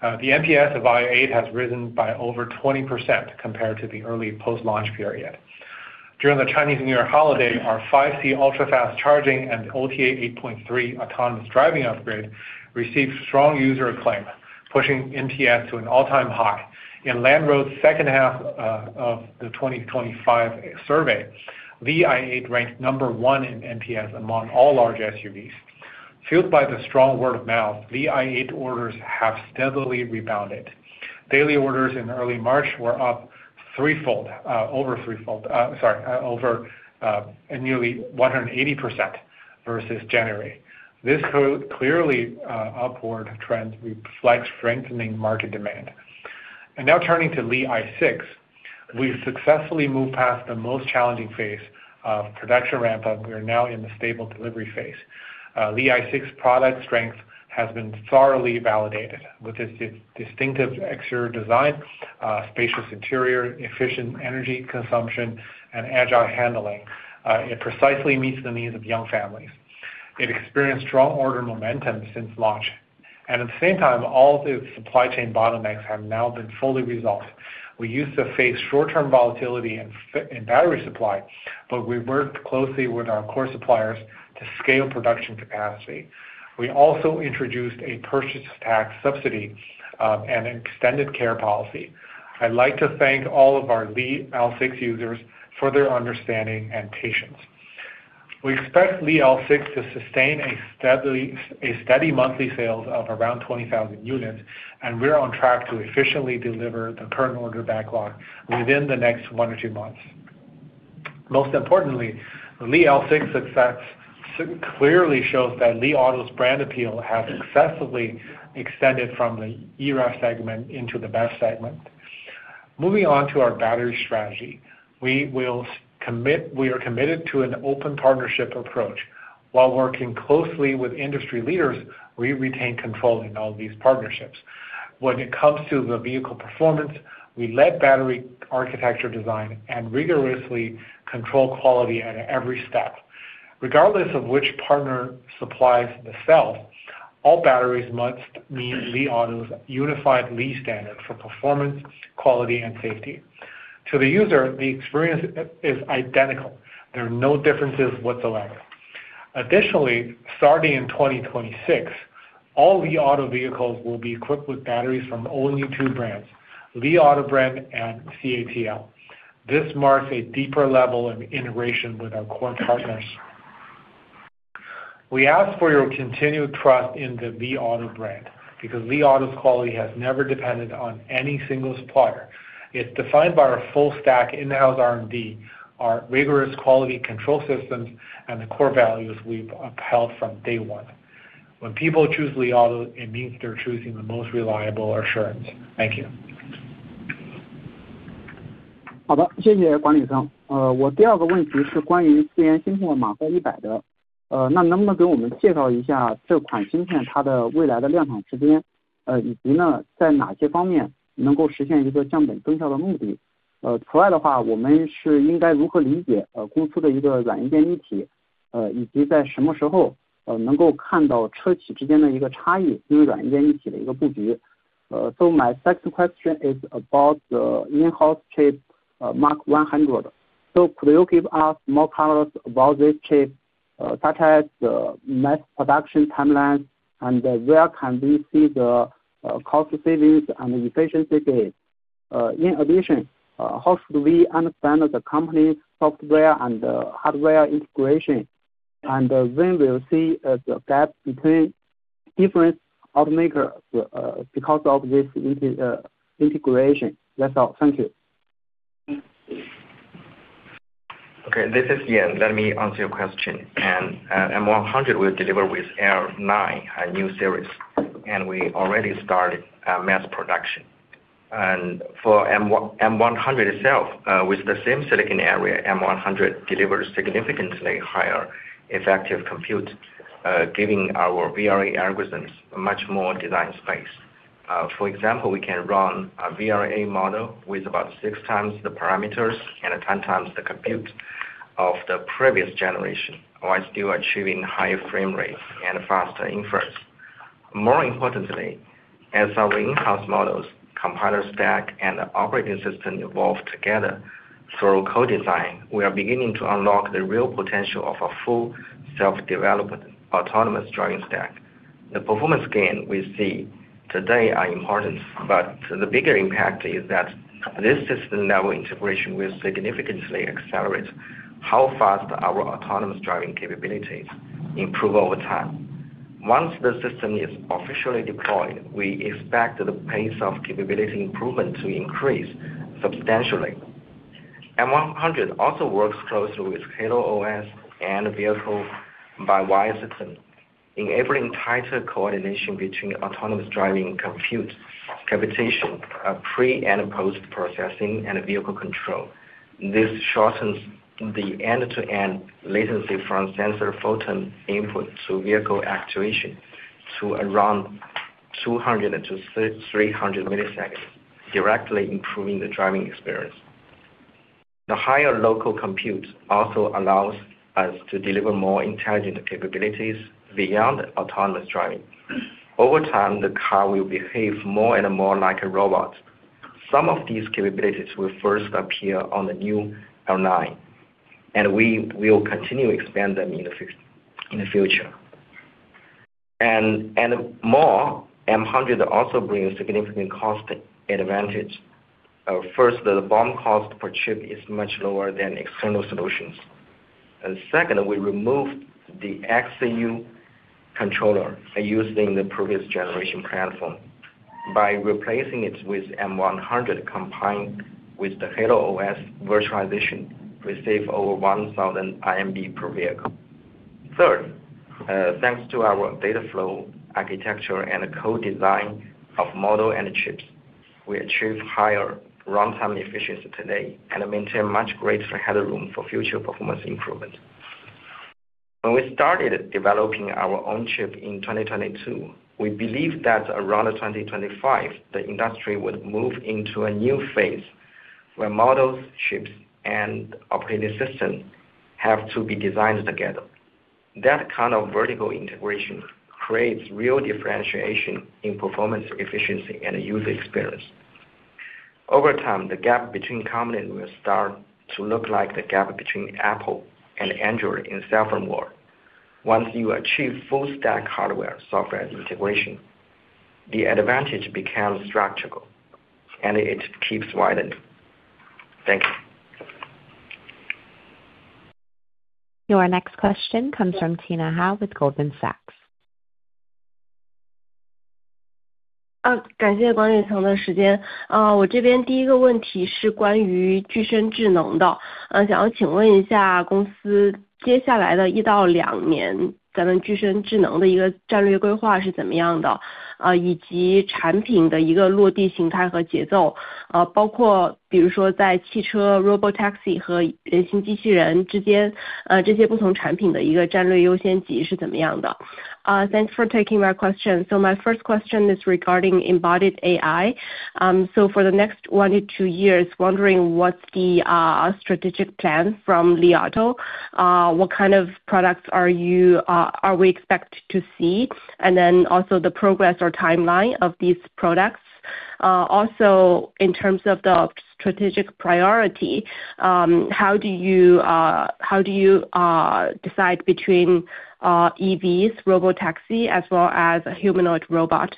The NPS of Li L8 has risen by over 20% compared to the early post-launch period. During the Chinese New Year holiday, our 5C ultra-fast charging and OTA 8.3 autonomous driving upgrade received strong user acclaim, pushing NPS to an all-time high. In J.D. Power's second half of the 2025 survey, Li L8 ranked number one in NPS among all large SUVs. Fueled by the strong word of mouth, Li L8 orders have steadily rebounded. Daily orders in early March were up nearly 180% versus January. This clearly upward trend reflects strengthening market demand. Now turning to Li L6, we've successfully moved past the most challenging phase of production ramp up. We are now in the stable delivery phase. Li L6 product strength has been thoroughly validated with its distinctive exterior design, spacious interior, efficient energy consumption, and agile handling. It precisely meets the needs of young families. It experienced strong order momentum since launch, and at the same time, all of its supply chain bottlenecks have now been fully resolved. We used to face short-term volatility in battery supply, but we worked closely with our core suppliers to scale production capacity. We also introduced a purchase tax subsidy and extended care policy. I'd like to thank all of our Li L6 users for their understanding and patience. We expect Li L6 to sustain a steady monthly sales of around 20,000 units, and we're on track to efficiently deliver the current order backlog within the next one to two months. Most importantly, Li L6 success clearly shows that Li Auto's brand appeal has successfully extended from the EREV segment into the BEV segment. Moving on to our battery strategy, we are committed to an open partnership approach while working closely with industry leaders, we retain control in all these partnerships. When it comes to the vehicle performance, we led battery architecture design and rigorously control quality at every step. Regardless of which partner supplies the cell All batteries must meet Li Auto's unified Li standard for performance, quality, and safety. To the user, the experience is identical. There are no differences whatsoever. Additionally, starting in 2026, all Li Auto vehicles will be equipped with batteries from only two brands, Li Auto brand and CATL. This marks a deeper level of integration with our core partners. We ask for your continued trust in the Li Auto brand, because Li Auto's quality has never depended on any single supplier. It's defined by our full stack in-house R&D, our rigorous quality control systems, and the core values we've upheld from day one. When people choose Li Auto, it means they're choosing the most reliable assurance. Thank you. Okay, this is Yan. Let me answer your question. M100 will deliver with L9, our new series, and we already started mass production. For M100 itself, with the same silicon area, M100 delivers significantly higher effective compute, giving our VLA algorithms much more design space. For example, we can run a VLA model with about six times the parameters and 10 times the compute of the previous generation, while still achieving higher frame rates and faster inference. More importantly, as our in-house models, compiler stack, and operating system evolve together through co-design, we are beginning to unlock the real potential of a full self-developed autonomous driving stack. The performance gain we see today are important, but the bigger impact is that this system-level integration will significantly accelerate how fast our autonomous driving capabilities improve over time. Once the system is officially deployed, we expect the pace of capability improvement to increase substantially. M100 also works closely with Halo OS and Vehicle Body system, enabling tighter coordination between autonomous driving compute, computation, pre- and post-processing and vehicle control. This shortens the end-to-end latency from sensor photon input to vehicle actuation to around 200 ms-300 ms, directly improving the driving experience. The higher local compute also allows us to deliver more intelligent capabilities beyond autonomous driving. Over time, the car will behave more and more like a robot. Some of these capabilities will first appear on the new L9, and we will continue to expand them in the future. M100 also brings significant cost advantage. First, the BOM cost per chip is much lower than external solutions. Second, we removed the XCU controller used in the previous generation platform. By replacing it with M100 combined with the Halo OS virtualization, we save over 1,000 IMD per vehicle. Third, thanks to our data flow architecture and the co-design of model and the chips, we achieve higher runtime efficiency today and maintain much greater headroom for future performance improvement. When we started developing our own chip in 2022, we believed that around 2025, the industry would move into a new phase where models, chips, and operating system have to be designed together. That kind of vertical integration creates real differentiation in performance, efficiency, and user experience. Over time, the gap between companies will start to look like the gap between Apple and Android in cell phone world. Once you achieve full stack hardware-software integration, the advantage becomes structural and it keeps widening. Thank you. Your next question comes from Tina Hou with Goldman Sachs. Thanks for taking my question. My first question is regarding embodied AI. For the next one to two years, wondering what's the strategic plan from Li Auto? What kind of products are we expect to see? Also the progress or timeline of these products. Also in terms of the strategic priority, how do you decide between EVs, robotaxi as well as a humanoid robot?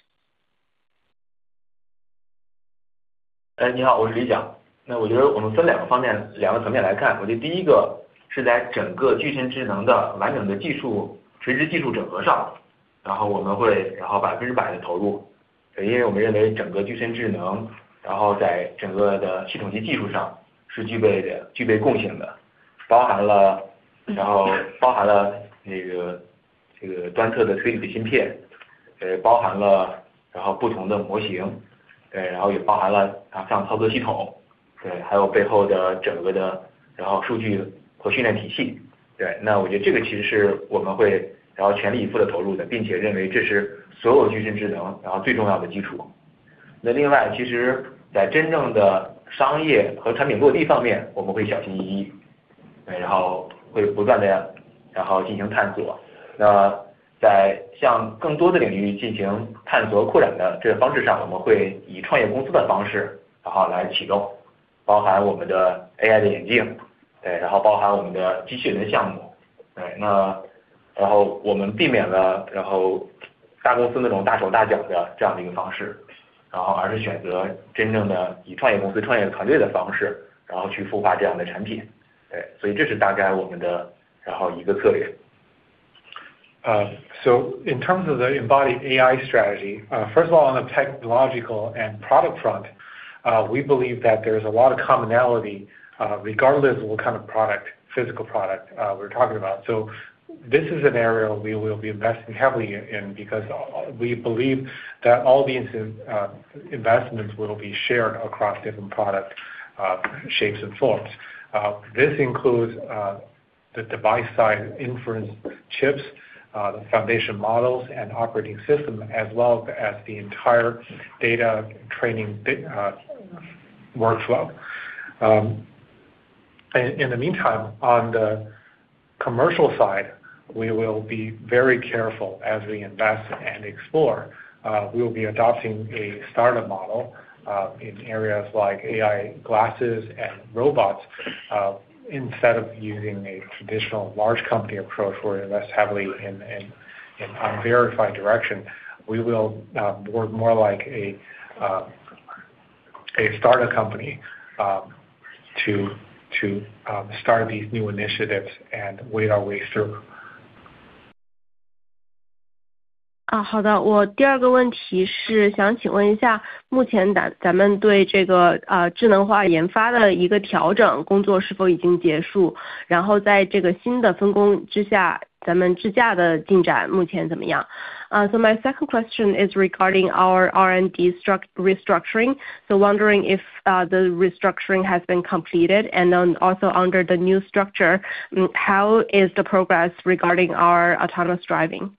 In terms of the embodied AI strategy, first of all on a technological and product front, we believe that there is a lot of commonality, regardless of what kind of physical product we're talking about. This is an area we will be investing heavily in because we believe that all these investments will be shared across different product shapes and forms. This includes the device side inference chips, the foundation models and operating system as well as the entire data training workflow. In the meantime, on the commercial side, we will be very careful as we invest and explore. We will be adopting a startup model in areas like AI glasses and robots. Instead of using a traditional large company approach where we invest heavily in unverified direction, we will work more like a startup company to start these new initiatives and wade our way through. 好的，我第二个问题是想请问一下，目前咱们对这个智能化研发的一个调整工作是否已经结束？然后在这个新的分工之下，咱们智驾的进展目前怎么样？ My second question is regarding our R&D restructuring. Wondering if the restructuring has been completed and then also under the new structure, how is the progress regarding our autonomous driving?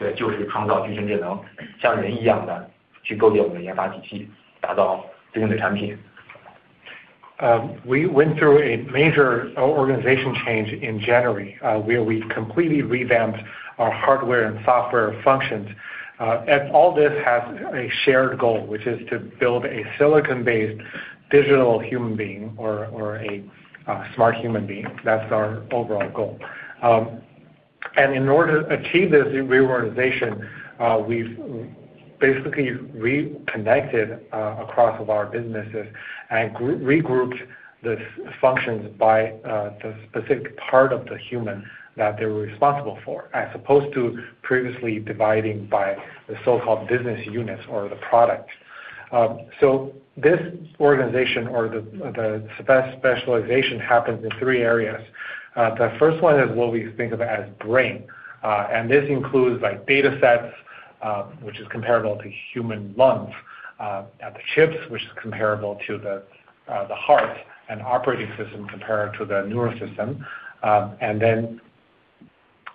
We went through a major organization change in January, where we completely revamped our hardware and software functions. All this has a shared goal, which is to build a silicon-based digital human being or a smart human being. That's our overall goal. In order to achieve this reorganization, we've basically reconnected across our businesses and regrouped the functions by the specific part of the human that they're responsible for, as opposed to previously dividing by the so-called business units or the product. This organization or the specialization happens in three areas. The first one is what we think of as brain, and this includes like datasets, which is comparable to human lungs, and the chips, which is comparable to the heart and operating system compared to the neural system.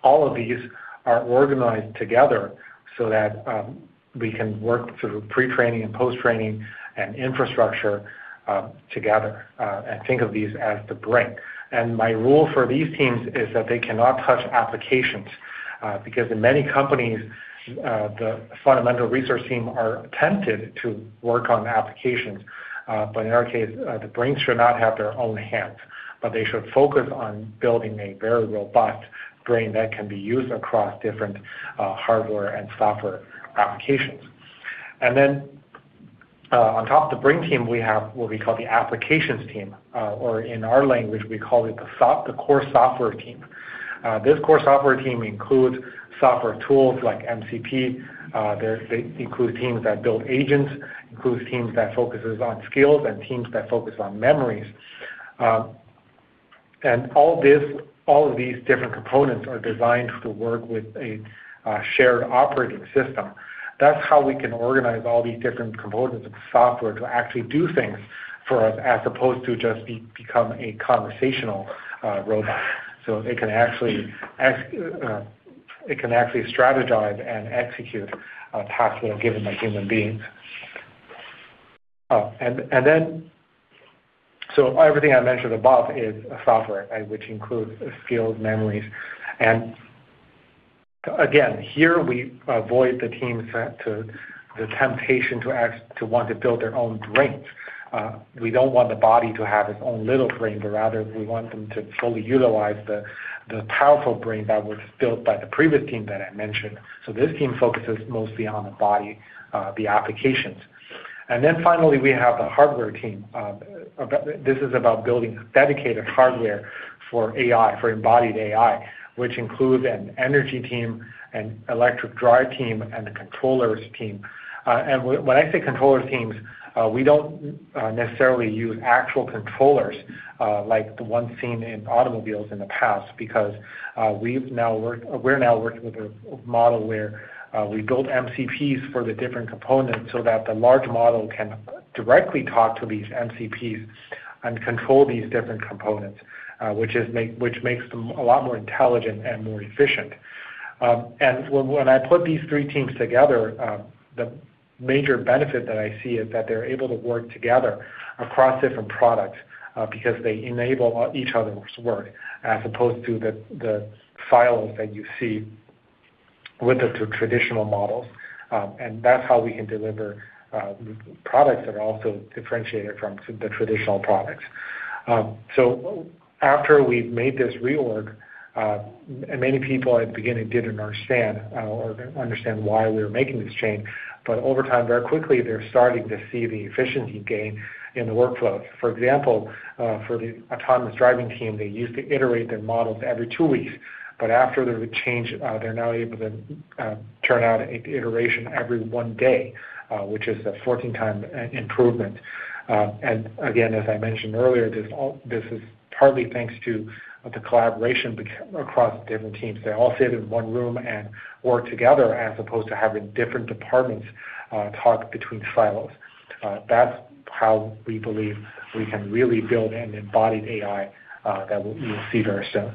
All of these are organized together so that we can work through pre-training and post-training and infrastructure together and think of these as the brain. My rule for these teams is that they cannot touch applications because in many companies the fundamental research team are tempted to work on applications. In our case, the brain should not have their own hands, but they should focus on building a very robust brain that can be used across different hardware and software applications. On top of the brain team, we have what we call the applications team or in our language we call it the core software team. This core software team includes software tools like MCP. They include teams that build agents, teams that focus on skills and teams that focus on memories. All of these different components are designed to work with a shared operating system. That's how we can organize all these different components of software to actually do things for us, as opposed to just become a conversational robot. It can actually strategize and execute a task when given a human being. Everything I mentioned above is software, which includes skills, memories. Again, here we avoid the teams set to the temptation to want to build their own brains. We don't want the body to have its own little brain, but rather we want them to fully utilize the powerful brain that was built by the previous team that I mentioned. This team focuses mostly on the body, the applications. Then finally we have the hardware team. This is about building dedicated hardware for AI, for embodied AI, which includes an energy team, an electric drive team, and a controllers team. When I say controller teams, we don't necessarily use actual controllers like the ones seen in automobiles in the past because we're now working with a model where we build MCPs for the different components so that the large model can directly talk to these MCPs and control these different components, which makes them a lot more intelligent and more efficient. When I put these three teams together, the major benefit that I see is that they're able to work together across different products because they enable each other's work as opposed to the silos that you see with the traditional models. That's how we can deliver products that are also differentiated from the traditional products. After we've made this reorganization, many people at the beginning didn't understand why we were making this change. Over time, very quickly, they're starting to see the efficiency gain in the workflow. For example, for the autonomous driving team, they used to iterate their models every two weeks, but after the change, they're now able to turn out iteration every one day, which is a 14-time improvement. Again, as I mentioned earlier, this is partly thanks to the collaboration across different teams. They all sit in one room and work together as opposed to having different departments talk between silos. That's how we believe we can really build an embodied AI that we will see very soon.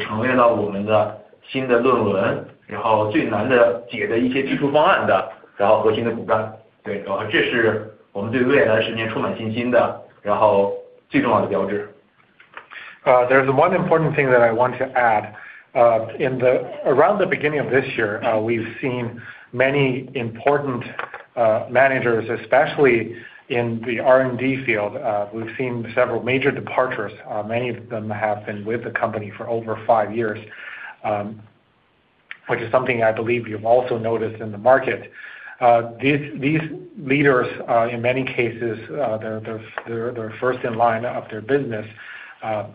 There's one important thing that I want to add. Around the beginning of this year, we've seen many important managers, especially in the R&D field. We've seen several major departures. Many of them have been with the company for over five years, which is something I believe you've also noticed in the market. These leaders, in many cases, they're first in line of their business.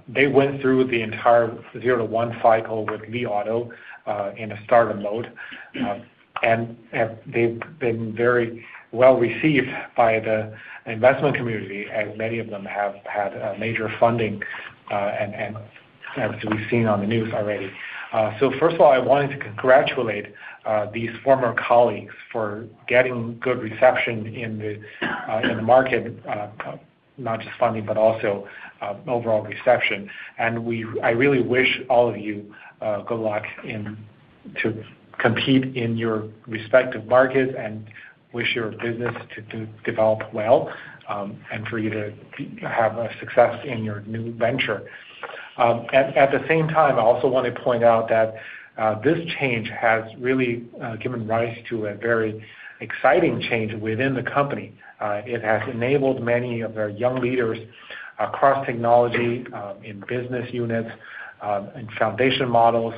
They went through the entire zero to one cycle with Li Auto, in a startup mode, and they've been very well received by the investment community, and many of them have had a major funding, and as we've seen on the news already. First of all, I wanted to congratulate these former colleagues for getting good reception in the market, not just funding, but also overall reception. I really wish all of you good luck and to compete in your respective markets and wish your business to develop well, and for you to have a success in your new venture. At the same time, I also want to point out that this change has really given rise to a very exciting change within the company. It has enabled many of our young leaders across technology in business units in foundation models,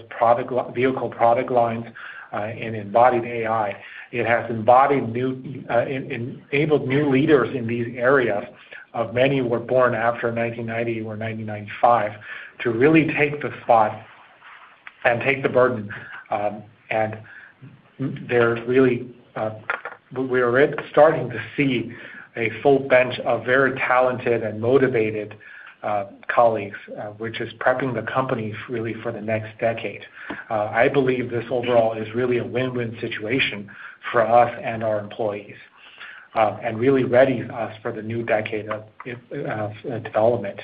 vehicle product lines, and embodied AI. It has enabled new leaders in these areas. Many were born after 1990 or 1995 to really take the spot and take the burden. There's really we are starting to see a full bench of very talented and motivated colleagues, which is prepping the company really for the next decade. I believe this overall is really a win-win situation for us and our employees, and really ready us for the new decade of development.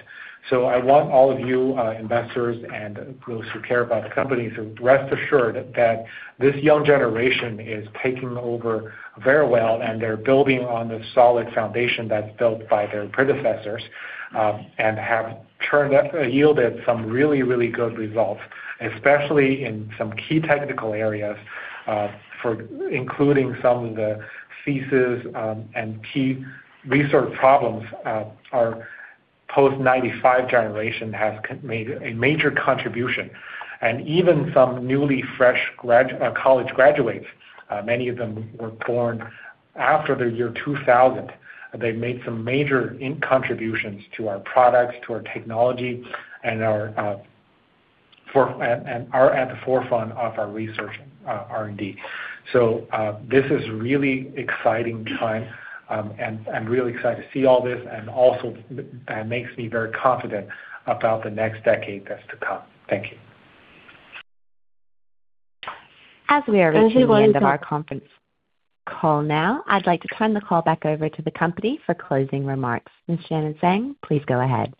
I want all of you, investors and those who care about the company to rest assured that this young generation is taking over very well, and they're building on the solid foundation that's built by their predecessors, and have yielded some really, really good results, especially in some key technical areas, including some of these, and key research problems, our post-1995 generation has made a major contribution. Even some fresh college graduates, many of them were born after the year 2000. They've made some major contributions to our products, to our technology and our, and are at the forefront of our research, R&D. This is really exciting time, and I'm really excited to see all this and also that makes me very confident about the next decade that's to come. Thank you. As we are reaching the end of our conference call now, I'd like to turn the call back over to the company for closing remarks. Ms. Janet Zhang, please go ahead.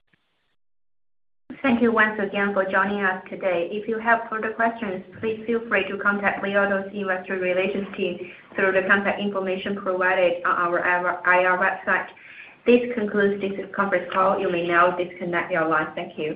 Thank you once again for joining us today. If you have further questions, please feel free to contact Li Auto's Investor Relations team through the contact information provided on our IR website. This concludes this conference call. You may now disconnect your line. Thank you.